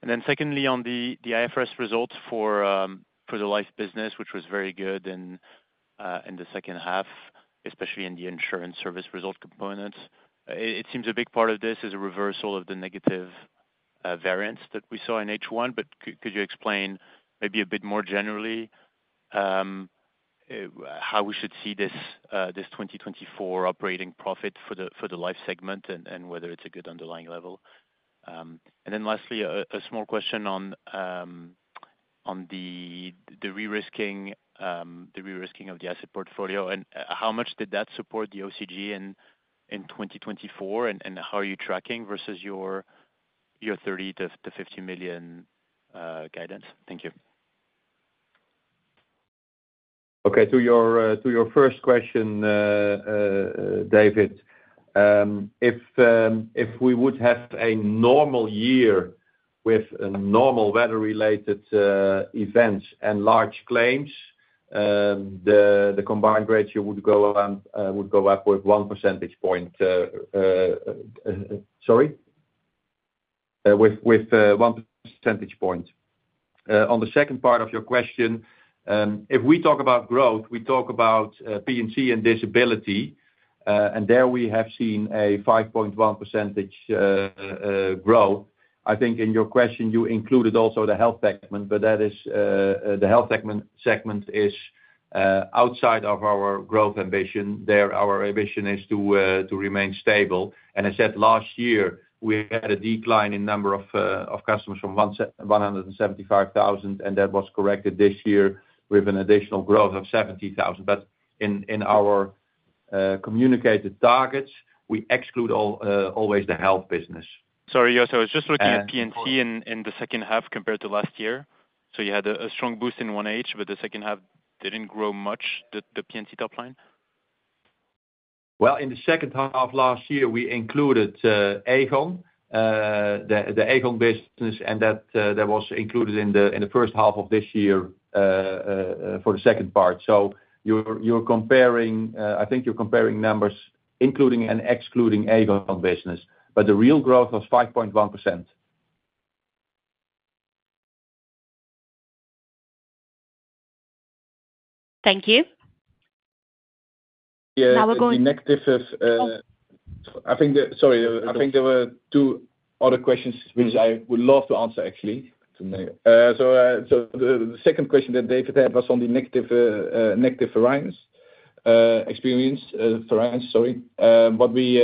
And then secondly, on the IFRS results for the life business, which was very good in the second half, especially in the insurance service result component, it seems a big part of this is a reversal of the negative variance that we saw in H1. But could you explain maybe a bit more generally how we should see this 2024 operating profit for the life segment and whether it's a good underlying level? And then lastly, a small question on the re-risking of the asset portfolio. And how much did that support the OCC in 2024? How are you tracking versus your 30 million-50 million guidance? Thank you. Okay. To your first question, David, if we would have a normal year with normal weather-related events and large claims, the combined ratio would go up with one percentage point. Sorry? With one percentage point. On the second part of your question, if we talk about growth, we talk about P&C and disability, and there we have seen a 5.1% growth. I think in your question, you included also the health segment, but that is the health segment is outside of our growth ambition. Our ambition is to remain stable. And as I said, last year, we had a decline in number of customers from 175,000, and that was corrected this year with an additional growth of 70,000. But in our communicated targets, we exclude always the health business. Sorry, Jos. I was just looking at P&C in the second half compared to last year. So you had a strong boost in 1H, but the second half didn't grow much, the P&C top line? Well, in the second half last year, we included Aegon, the Aegon business, and that was included in the first half of this year for the second part. So I think you're comparing numbers, including and excluding Aegon business. But the real growth was 5.1%. Thank you. Now we're going to. I think, sorry, I think there were two other questions which I would love to answer, actually. So the second question that David had was on the negative experience, sorry. What we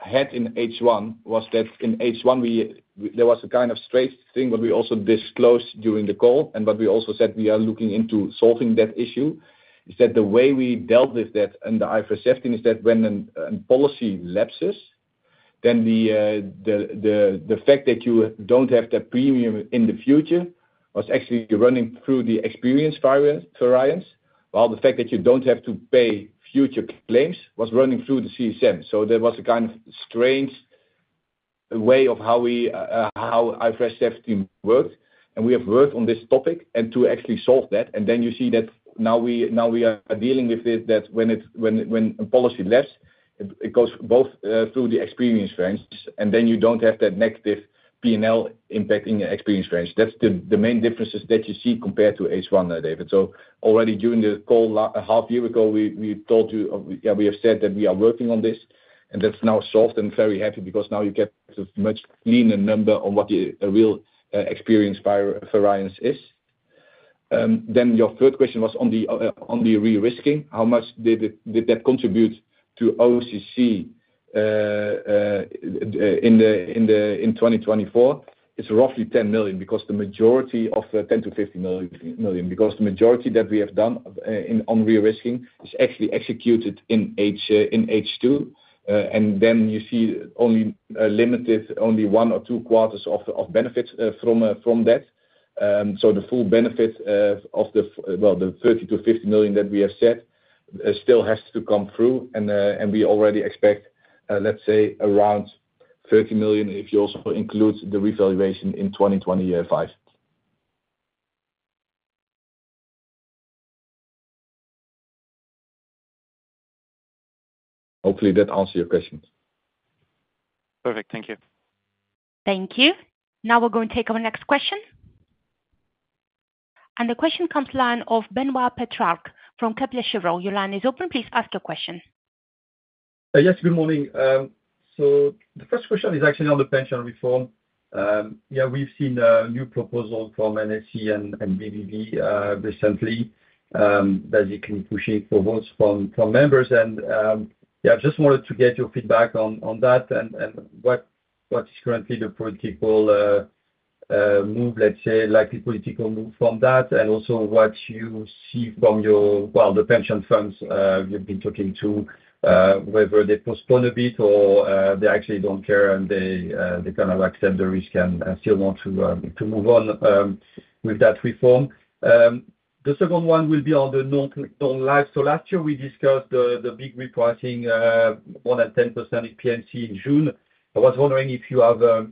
had in H1 was that in H1, there was a kind of straight thing that we also disclosed during the call. And what we also said we are looking into solving that issue is that the way we dealt with that in the IFRS 17 is that when a policy lapses, then the fact that you don't have that premium in the future was actually running through the experience variance, while the fact that you don't have to pay future claims was running through the CSM. So there was a kind of strange way of how IFRS 17 worked. And we have worked on this topic and to actually solve that. And then you see that now we are dealing with it that when a policy lapses, it goes both through the experience variance, and then you don't have that negative P&L impact in the experience variance. That's the main differences that you see compared to H1, David. Already during the call half a year ago, we told you. Yeah, we have said that we are working on this, and that's now solved and very happy because now you get a much cleaner number on what a real experience variance is. Then your third question was on the re-risking. How much did that contribute to OCC in 2024? It's roughly 10 million because the majority of 10 million-50 million, because the majority that we have done on re-risking is actually executed in H2. And then you see only limited, only one or two quarters of benefits from that. So the full benefit of the, well, the 30 million-50 million that we have said still has to come through. And we already expect, let's say, around 30 million if you also include the revaluation in 2025. Hopefully, that answers your question. Perfect. Thank you. Thank you. Now we're going to take our next question. And the question comes to the line of Benoît Pétrarque from Kepler Cheuvreux. Your line is open. Please ask your question. Yes, good morning. So the first question is actually on the pension reform. Yeah, we've seen a new proposal from NSC and BBB recently, basically pushing for votes from members. And yeah, I just wanted to get your feedback on that and what is currently the political move, let's say, likely political move from that, and also what you see from your, well, the pension funds you've been talking to, whether they postpone a bit or they actually don't care and they kind of accept the risk and still want to move on with that reform. The second one will be on the non-life. So last year, we discussed the big repricing, more than 10% in P&C in June. I was wondering if you have a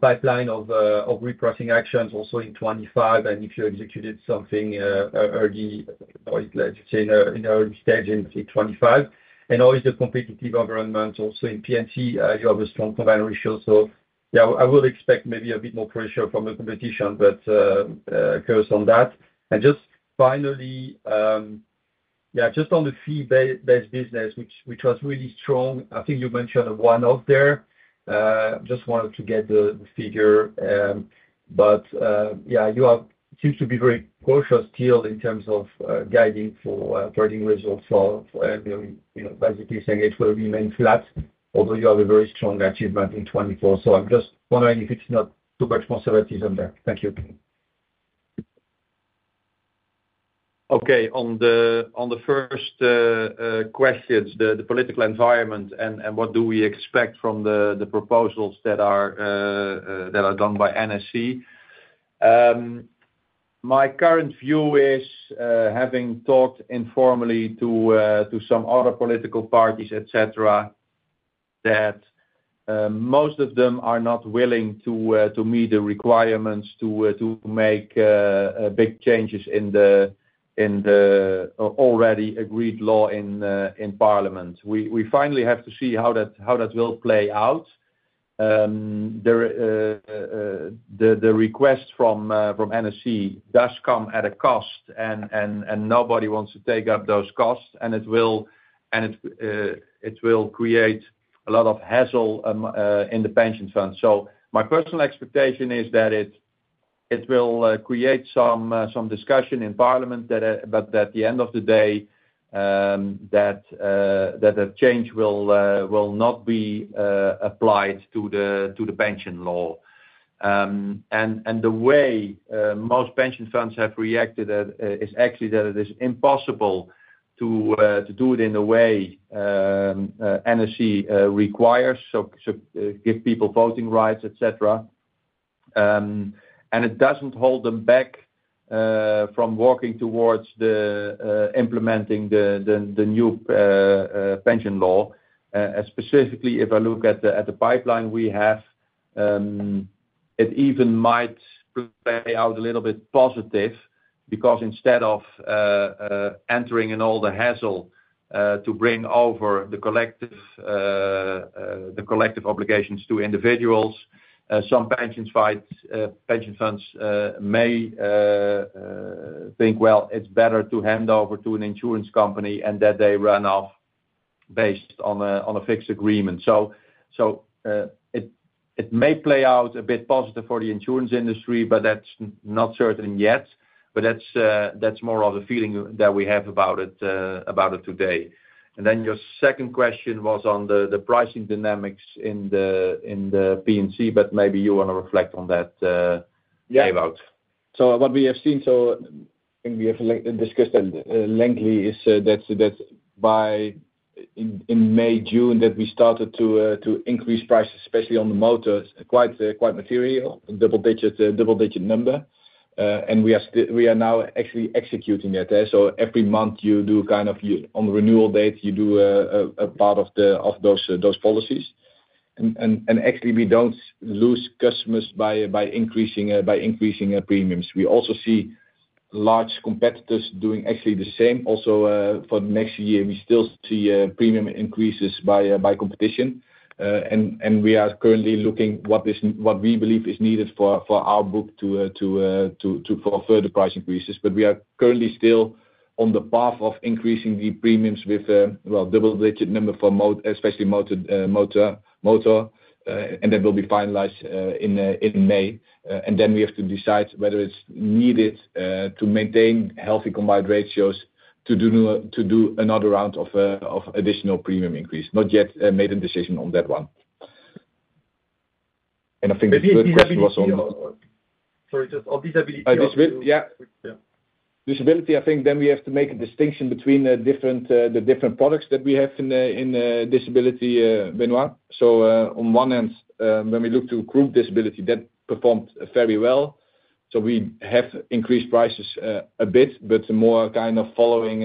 pipeline of repricing actions also in 2025 and if you executed something early, let's say in the early stage in 2025. And always the competitive environment also in P&C, you have a strong combined ratio. So yeah, I would expect maybe a bit more pressure from the competition, but of course on that. And just finally, yeah, just on the fee-based business, which was really strong, I think you mentioned one-off there. Just wanted to get the figure. But yeah, you seem to be very cautious still in terms of guiding for trading results and basically saying it will remain flat, although you have a very strong achievement in 2024. So I'm just wondering if it's not too much conservatism there. Thank you. Okay. On the first question, the political environment and what do we expect from the proposals that are done by NSC? My current view is, having talked informally to some other political parties, etc., that most of them are not willing to meet the requirements to make big changes in the already agreed law in Parliament. We finally have to see how that will play out. The request from NSC does come at a cost, and nobody wants to take up those costs, and it will create a lot of hassle in the pension fund. So my personal expectation is that it will create some discussion in Parliament, but at the end of the day, that a change will not be applied to the pension law. The way most pension funds have reacted is actually that it is impossible to do it in the way NSC requires, so give people voting rights, etc. It doesn't hold them back from working towards implementing the new pension law. Specifically, if I look at the pipeline we have, it even might play out a little bit positive because instead of entering in all the hassle to bring over the collective obligations to individuals, some pension funds may think, well, it's better to hand over to an insurance company and that they run off based on a fixed agreement. It may play out a bit positive for the insurance industry, but that's not certain yet. That's more of the feeling that we have about it today. And then your second question was on the pricing dynamics in the P&C, but maybe you want to reflect on that. Yeah. So what we have seen, so I think we have discussed it lengthily, is that by in May, June, that we started to increase prices, especially on the motors, quite material, double-digit number. And we are now actually executing it. So every month, you do kind of on renewal date, you do a part of those policies. And actually, we don't lose customers by increasing premiums. We also see large competitors doing actually the same. Also, for the next year, we still see premium increases by competition. And we are currently looking at what we believe is needed for our book to further price increases. But we are currently still on the path of increasing the premiums with, well, double-digit number for motors, especially motor, and that will be finalized in May. And then we have to decide whether it's needed to maintain healthy combined ratios to do another round of additional premium increase. Not yet made a decision on that one. And I think the third question was on. Sorry, just on disability. Yeah. Disability, I think then we have to make a distinction between the different products that we have in disability, Benoît. So on one end, when we look to group disability, that performed very well. So we have increased prices a bit, but more kind of following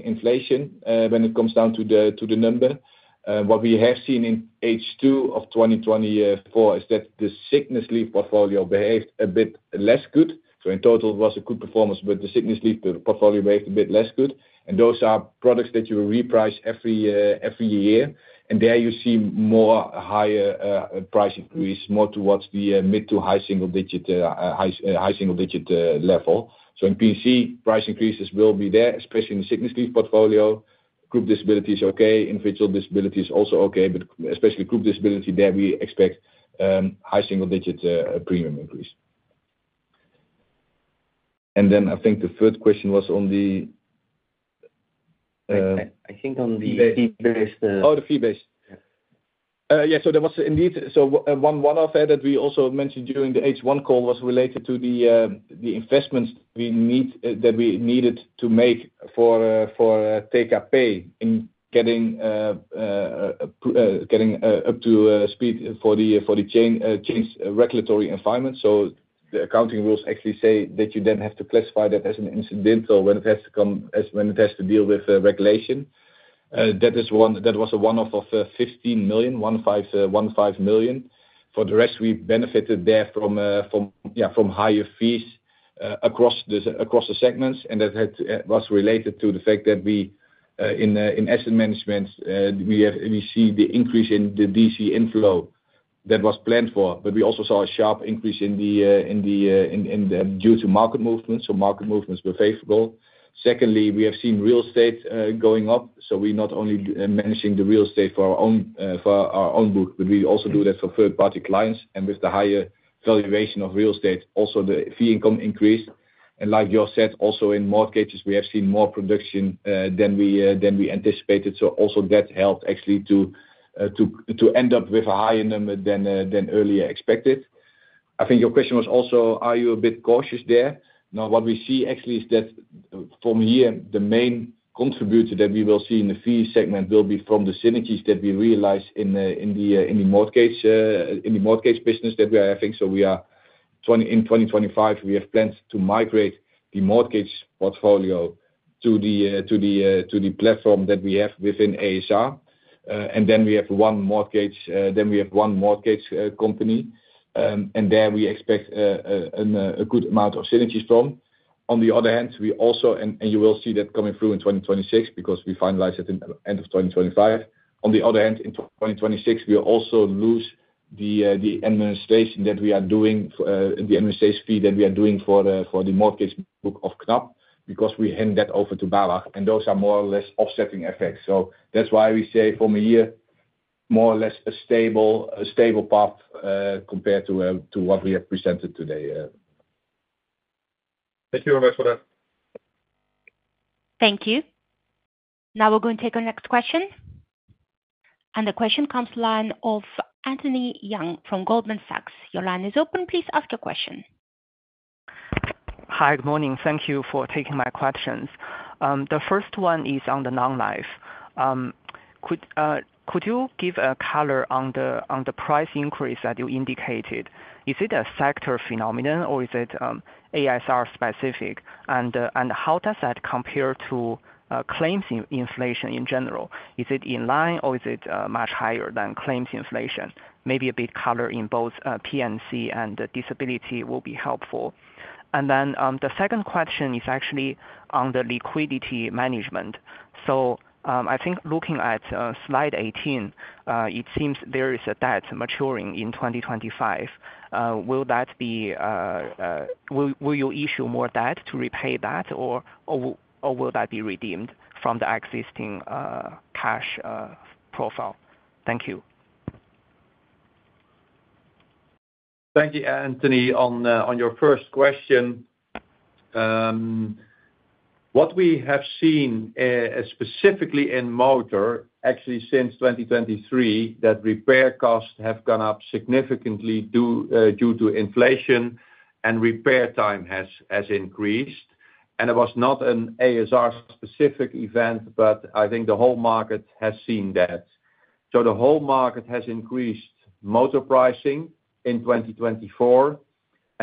inflation when it comes down to the number. What we have seen in H2 of 2024 is that the sickness leave portfolio behaved a bit less good. So in total, it was a good performance, but the sickness leave portfolio behaved a bit less good. And those are products that you reprice every year. And there you see much higher price increase, more towards the mid to high single-digit level. So in P&C, price increases will be there, especially in the sickness leave portfolio. Group disability is okay. Individual disability is also okay. But especially group disability, there we expect high single-digit premium increase. And then I think the third question was I think on the fee-based. Oh, the fee-based. Yeah. So there was indeed so one of them that we also mentioned during the H1 call was related to the investments that we needed to make for take-up pay in getting up to speed for the changing regulatory environment. So, the accounting rules actually say that you then have to classify that as an incidental when it has to deal with regulation. That was a one-off of 15 million, 15 million. For the rest, we benefited there from higher fees across the segments. And that was related to the fact that in asset management, we see the increase in the DC inflow that was planned for. But we also saw a sharp increase in the due to market movements. So market movements were favorable. Secondly, we have seen real estate going up. So we're not only managing the real estate for our own book, but we also do that for third-party clients. And with the higher valuation of real estate, also the fee income increased. And like Jos said, also in mortgages, we have seen more production than we anticipated. So also that helped actually to end up with a higher number than earlier expected. I think your question was also, are you a bit cautious there? Now, what we see actually is that from here, the main contributor that we will see in the fee segment will be from the synergies that we realize in the mortgage business that we are having. So in 2025, we have plans to migrate the mortgage portfolio to the platform that we have within ASR. And then we have one mortgage, then we have one mortgage company. And there we expect a good amount of synergies from. On the other hand, we also, and you will see that coming through in 2026 because we finalized it at the end of 2025. On the other hand, in 2026, we also lose the administration that we are doing, the administration fee that we are doing for the mortgage book of Knab because we hand that over to BAWAG. And those are more or less offsetting effects. So that's why we say from here, more or less a stable path compared to what we have presented today. Thank you very much for that. Thank you. Now we're going to take our next question. And the question comes to the line of Anthony Yang from Goldman Sachs. Your line is open. Please ask your question. Hi, good morning. Thank you for taking my questions. The first one is on the non-life. Could you give a color on the price increase that you indicated? Is it a sector phenomenon or is it ASR specific? And how does that compare to claims inflation in general? Is it in line or is it much higher than claims inflation? Maybe a bit color in both P&C and disability will be helpful. And then the second question is actually on the liquidity management. So I think looking at slide 18, it seems there is a debt maturing in 2025. Will that be? Will you issue more debt to repay that, or will that be redeemed from the existing cash profile? Thank you. Thank you, Anthony, on your first question. What we have seen specifically in motor, actually since 2023, that repair costs have gone up significantly due to inflation and repair time has increased. And it was not an ASR-specific event, but I think the whole market has seen that. So the whole market has increased motor pricing in 2024.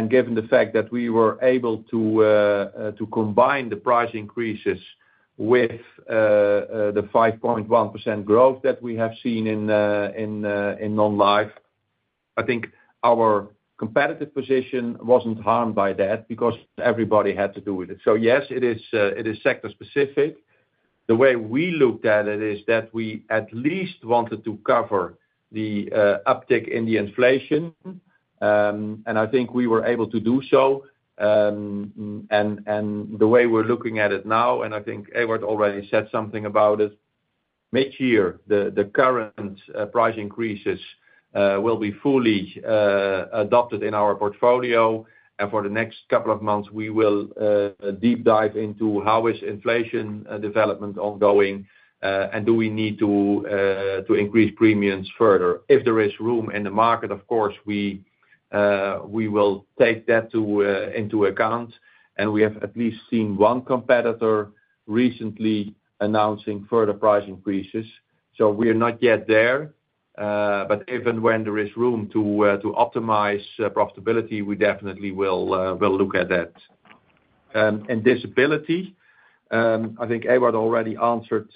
Given the fact that we were able to combine the price increases with the 5.1% growth that we have seen in non-life, I think our competitive position wasn't harmed by that because everybody had to do with it. Yes, it is sector-specific. The way we looked at it is that we at least wanted to cover the uptick in the inflation. I think we were able to do so. The way we're looking at it now, and I think Ewout already said something about it, mid-year, the current price increases will be fully adopted in our portfolio. For the next couple of months, we will deep dive into how is inflation development ongoing, and do we need to increase premiums further? If there is room in the market, of course, we will take that into account. We have at least seen one competitor recently announcing further price increases. We are not yet there. If and when there is room to optimize profitability, we definitely will look at that. Disability, I think Ewout already answered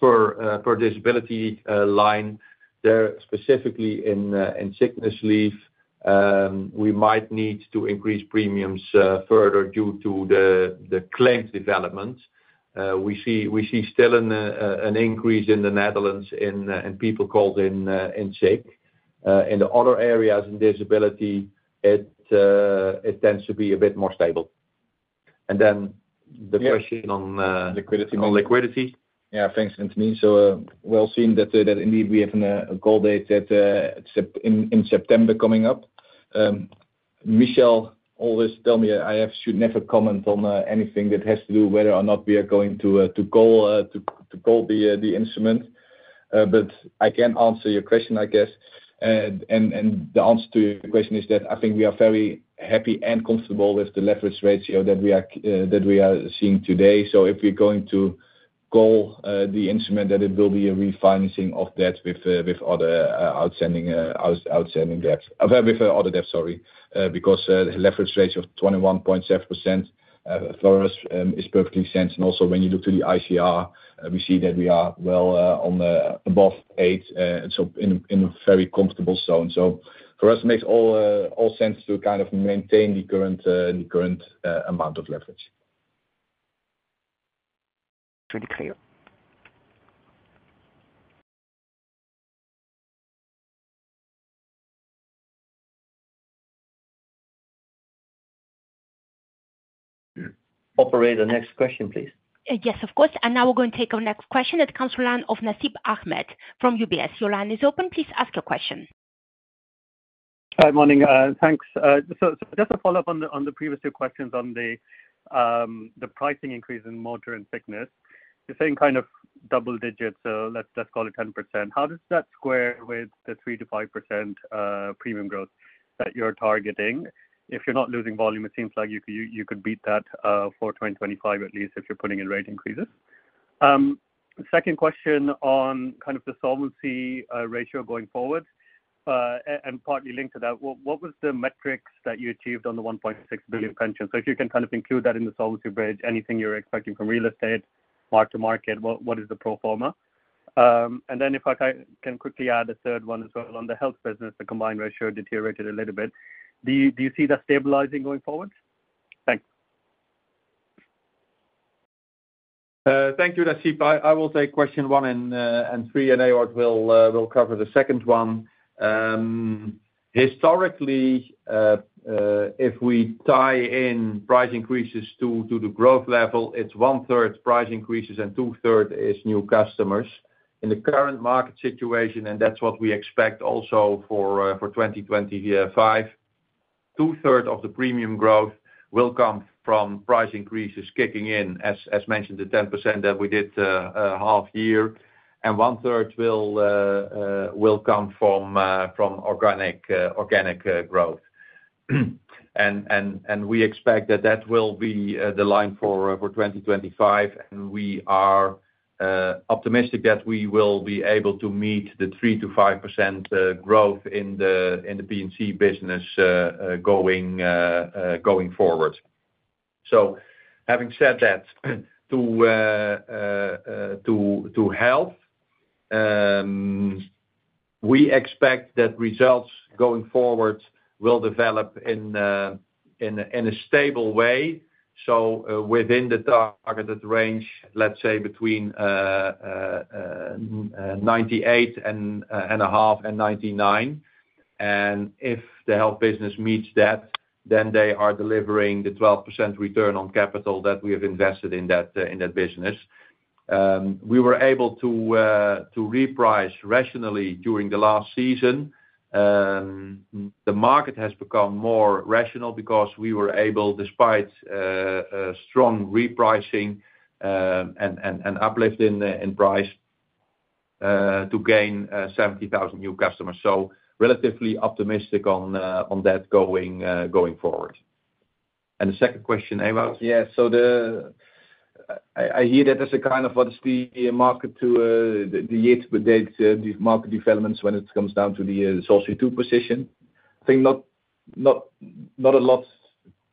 for disability line there, specifically in sickness leave. We might need to increase premiums further due to the claims development. We see still an increase in the Netherlands in people called in sick. In the other areas in disability, it tends to be a bit more stable. The question on liquidity. Yeah, thanks, Anthony. We'll see that indeed we have a call date in September coming up. Michel always tell me I should never comment on anything that has to do whether or not we are going to call the instrument. I can answer your question, I guess. The answer to your question is that I think we are very happy and comfortable with the leverage ratio that we are seeing today. So if we're going to call the instrument, that it will be a refinancing of debt with other outstanding debt. With other debt, sorry, because the leverage ratio of 21.7% for us is perfectly sensible. And also when you look to the ICR, we see that we are well above eight, so in a very comfortable zone. So for us, it makes all sense to kind of maintain the current amount of leverage. Thank you. Operator, next question, please. Yes, of course. And now we're going to take our next question. It comes to the line of Nasib Ahmed from UBS. Your line is open. Please ask your question. Hi, morning. Thanks. So just to follow up on the previous two questions on the pricing increase in motor and sickness, the same kind of double-digit, so let's call it 10%. How does that square with the 3%-5% premium growth that you're targeting? If you're not losing volume, it seems like you could beat that for 2025, at least if you're putting in rate increases. Second question on kind of the solvency ratio going forward. And partly linked to that, what was the metrics that you achieved on the 1.6 billion pension? So if you can kind of include that in the solvency bridge, anything you're expecting from real estate, mark-to-market, what is the pro forma? And then if I can quickly add a third one as well on the health business, the combined ratio deteriorated a little bit. Do you see that stabilizing going forward? Thanks. Thank you, Nasib. I will take question one and three, and Ewout will cover the second one. Historically, if we tie in price increases to the growth level, it's one-third price increases and two-thirds is new customers. In the current market situation, and that's what we expect also for 2025, two-thirds of the premium growth will come from price increases kicking in, as mentioned, the 10% that we did half year. And one-third will come from organic growth. And we expect that that will be the line for 2025. And we are optimistic that we will be able to meet the 3%-5% growth in the P&C business going forward. So having said that, to health, we expect that results going forward will develop in a stable way. So within the targeted range, let's say between 98.5% and 99%. If the health business meets that, then they are delivering the 12% return on capital that we have invested in that business. We were able to reprice rationally during the last season. The market has become more rational because we were able, despite strong repricing and uplift in price, to gain 70,000 new customers. Relatively optimistic on that going forward. The second question, Ewout? Yeah. I hear that there's a kind of what is the market to the year-to-date market developments when it comes down to the Solvency II position. I think not a lot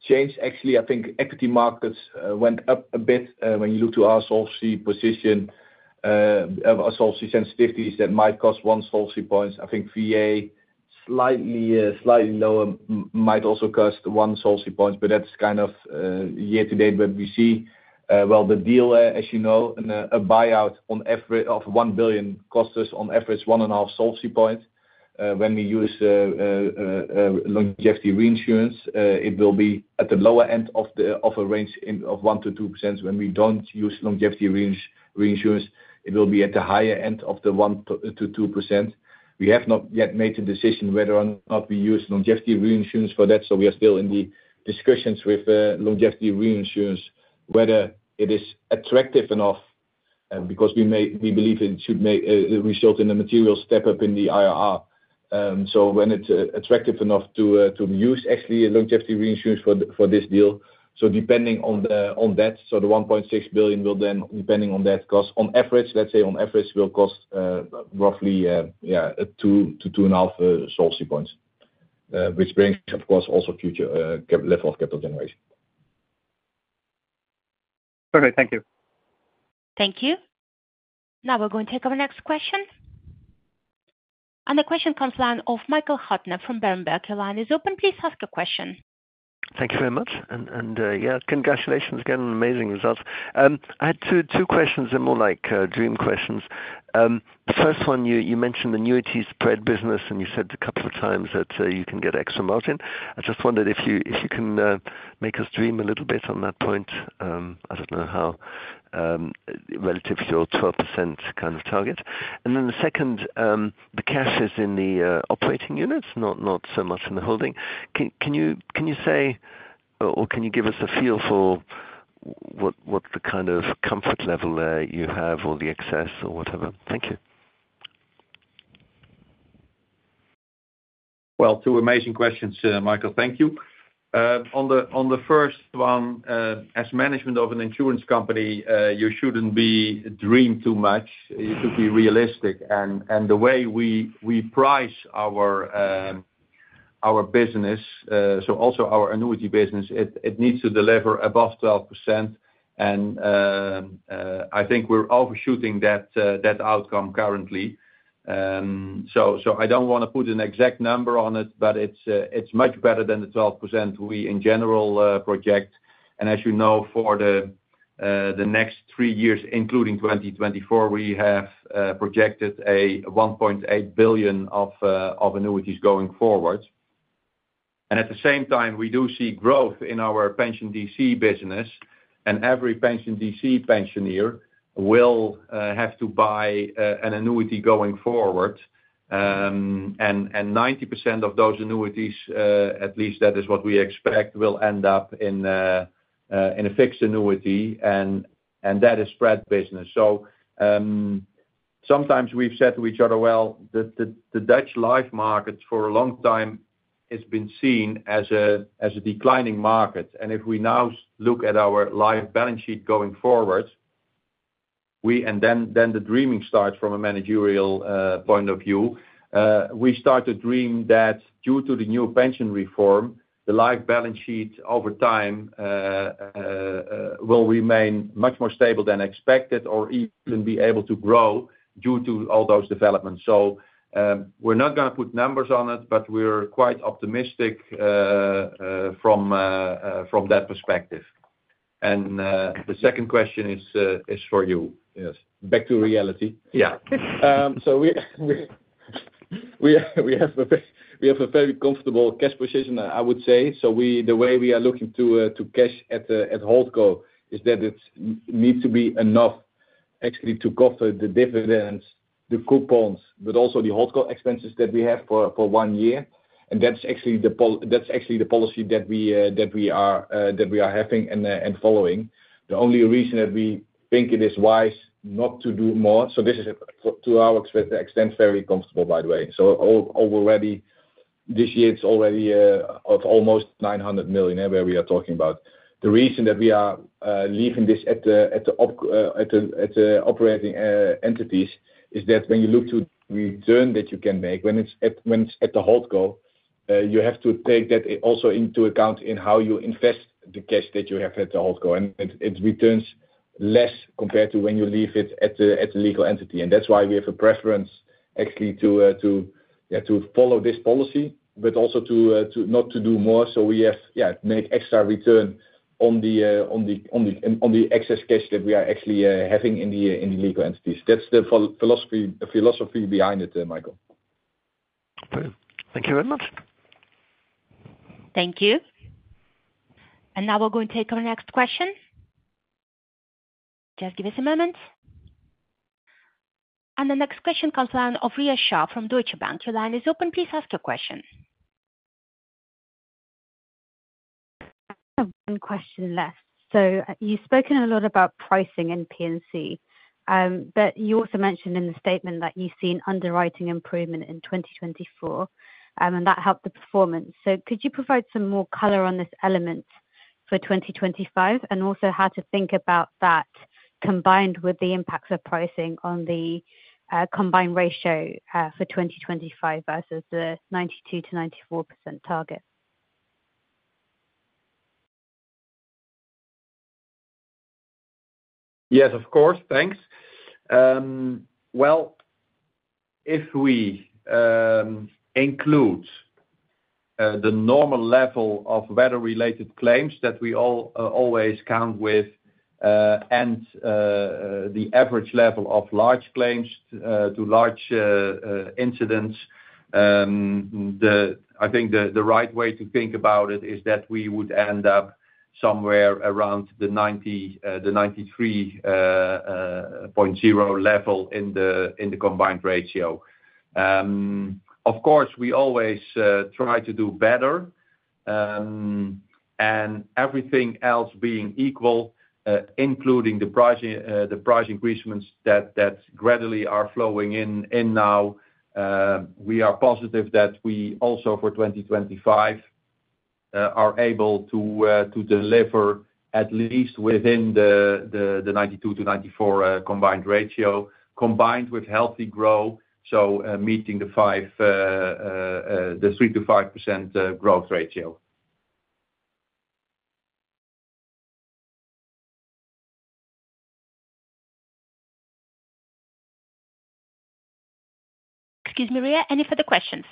changed. Actually, I think equity markets went up a bit when you look to our solvency position, our solvency sensitivities that might cost one solvency points. I think VA slightly lower might also cost one solvency points. But that's kind of year-to-date that we see. The deal, as you know, a buyout of 1 billion costs us on average one and a half solvency points. When we use longevity reinsurance, it will be at the lower end of a range of 1%-2%. When we don't use longevity reinsurance, it will be at the higher end of the 1%-2%. We have not yet made a decision whether or not we use longevity reinsurance for that. We are still in the discussions with longevity reinsurance, whether it is attractive enough because we believe it should result in a material step up in the IRR. When it's attractive enough to use actually longevity reinsurance for this deal. So depending on that, so the 1.6 billion will then, depending on that cost, on average, let's say on average, will cost roughly two to two and a half solvency points, which brings, of course, also future level of capital generation. Perfect. Thank you. Thank you. Now we're going to take our next question. And the question comes to the line of Michael Huttner from Berenberg. Your line is open. Please ask a question. Thank you very much. And yeah, congratulations again on amazing results. I had two questions that are more like dream questions. First one, you mentioned the annuity spread business, and you said a couple of times that you can get extra margin. I just wondered if you can make us dream a little bit on that point. I don't know how relative to your 12% kind of target. And then the second, the cash is in the operating units, not so much in the holding. Can you say or can you give us a feel for what the kind of comfort level you have or the excess or whatever? Thank you. Well, two amazing questions, Michael. Thank you. On the first one, as management of an insurance company, you shouldn't be dreaming too much. You should be realistic. And the way we price our business, so also our annuity business, it needs to deliver above 12%. And I think we're overshooting that outcome currently. So I don't want to put an exact number on it, but it's much better than the 12% we in general project. And as you know, for the next three years, including 2024, we have projected 1.8 billion of annuities going forward. And at the same time, we do see growth in our pension DC business. And every pension DC pensioner will have to buy an annuity going forward. And 90% of those annuities, at least that is what we expect, will end up in a fixed annuity. And that is spread business. So sometimes we've said to each other, well, the Dutch life market for a long time has been seen as a declining market. And if we now look at our life balance sheet going forward, and then the dreaming starts from a managerial point of view, we start to dream that due to the new pension reform, the life balance sheet over time will remain much more stable than expected or even be able to grow due to all those developments. So we're not going to put numbers on it, but we're quite optimistic from that perspective. The second question is for you. Yes. Back to reality. Yeah. We have a very comfortable cash position, I would say. The way we are looking to cash at HoldCo is that it needs to be enough actually to cover the dividends, the coupons, but also the HoldCo expenses that we have for one year. That's actually the policy that we are having and following. The only reason that we think it is wise not to do more. This is, to our extent, very comfortable, by the way. This year it's already of almost 900 million, where we are talking about. The reason that we are leaving this at the operating entities is that when you look to return that you can make, when it's at the HoldCo, you have to take that also into account in how you invest the cash that you have at the HoldCo. And it returns less compared to when you leave it at the legal entity. And that's why we have a preference actually to follow this policy, but also not to do more. So we have made extra return on the excess cash that we are actually having in the legal entities. That's the philosophy behind it, Michael. Thank you very much. Thank you. And now we're going to take our next question. Just give us a moment. And the next question comes to Rhea Shah from Deutsche Bank. Your line is open. Please ask your question. I have one question left. So you've spoken a lot about pricing in P&C, but you also mentioned in the statement that you've seen underwriting improvement in 2024, and that helped the performance. So could you provide some more color on this element for 2025, and also how to think about that combined with the impacts of pricing on the combined ratio for 2025 versus the 92%-94% target? Yes, of course. Thanks. Well, if we include the normal level of weather-related claims that we always count with and the average level of large claims to large incidents, I think the right way to think about it is that we would end up somewhere around the 93.0% level in the combined ratio. Of course, we always try to do better. Everything else being equal, including the price increases that gradually are flowing in now, we are positive that we also for 2025 are able to deliver at least within the 92%-94% combined ratio, combined with healthy growth, so meeting the 3%-5% growth ratio. Excuse me, Rhea. Any further questions?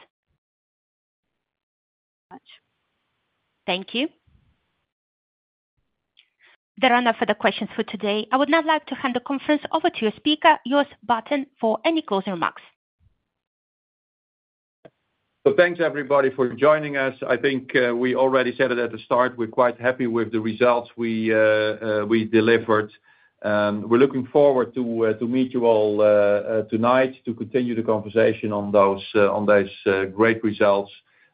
Thank you. There are no further questions for today. I would now like to hand the conference over to your speaker, Jos Baeten, for any closing remarks. Thanks, everybody, for joining us. I think we already said it at the start. We're quite happy with the results we delivered. We're looking forward to meet you all tonight to continue the conversation on those great results.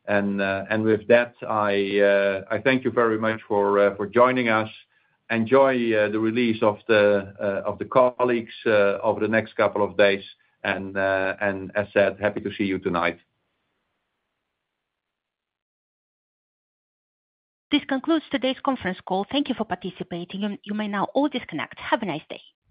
With that, I thank you very much for joining us. Enjoy the release of the colleagues over the next couple of days. As said, happy to see you tonight. This concludes today's conference call. Thank you for participating. You may now all disconnect. Have a nice day.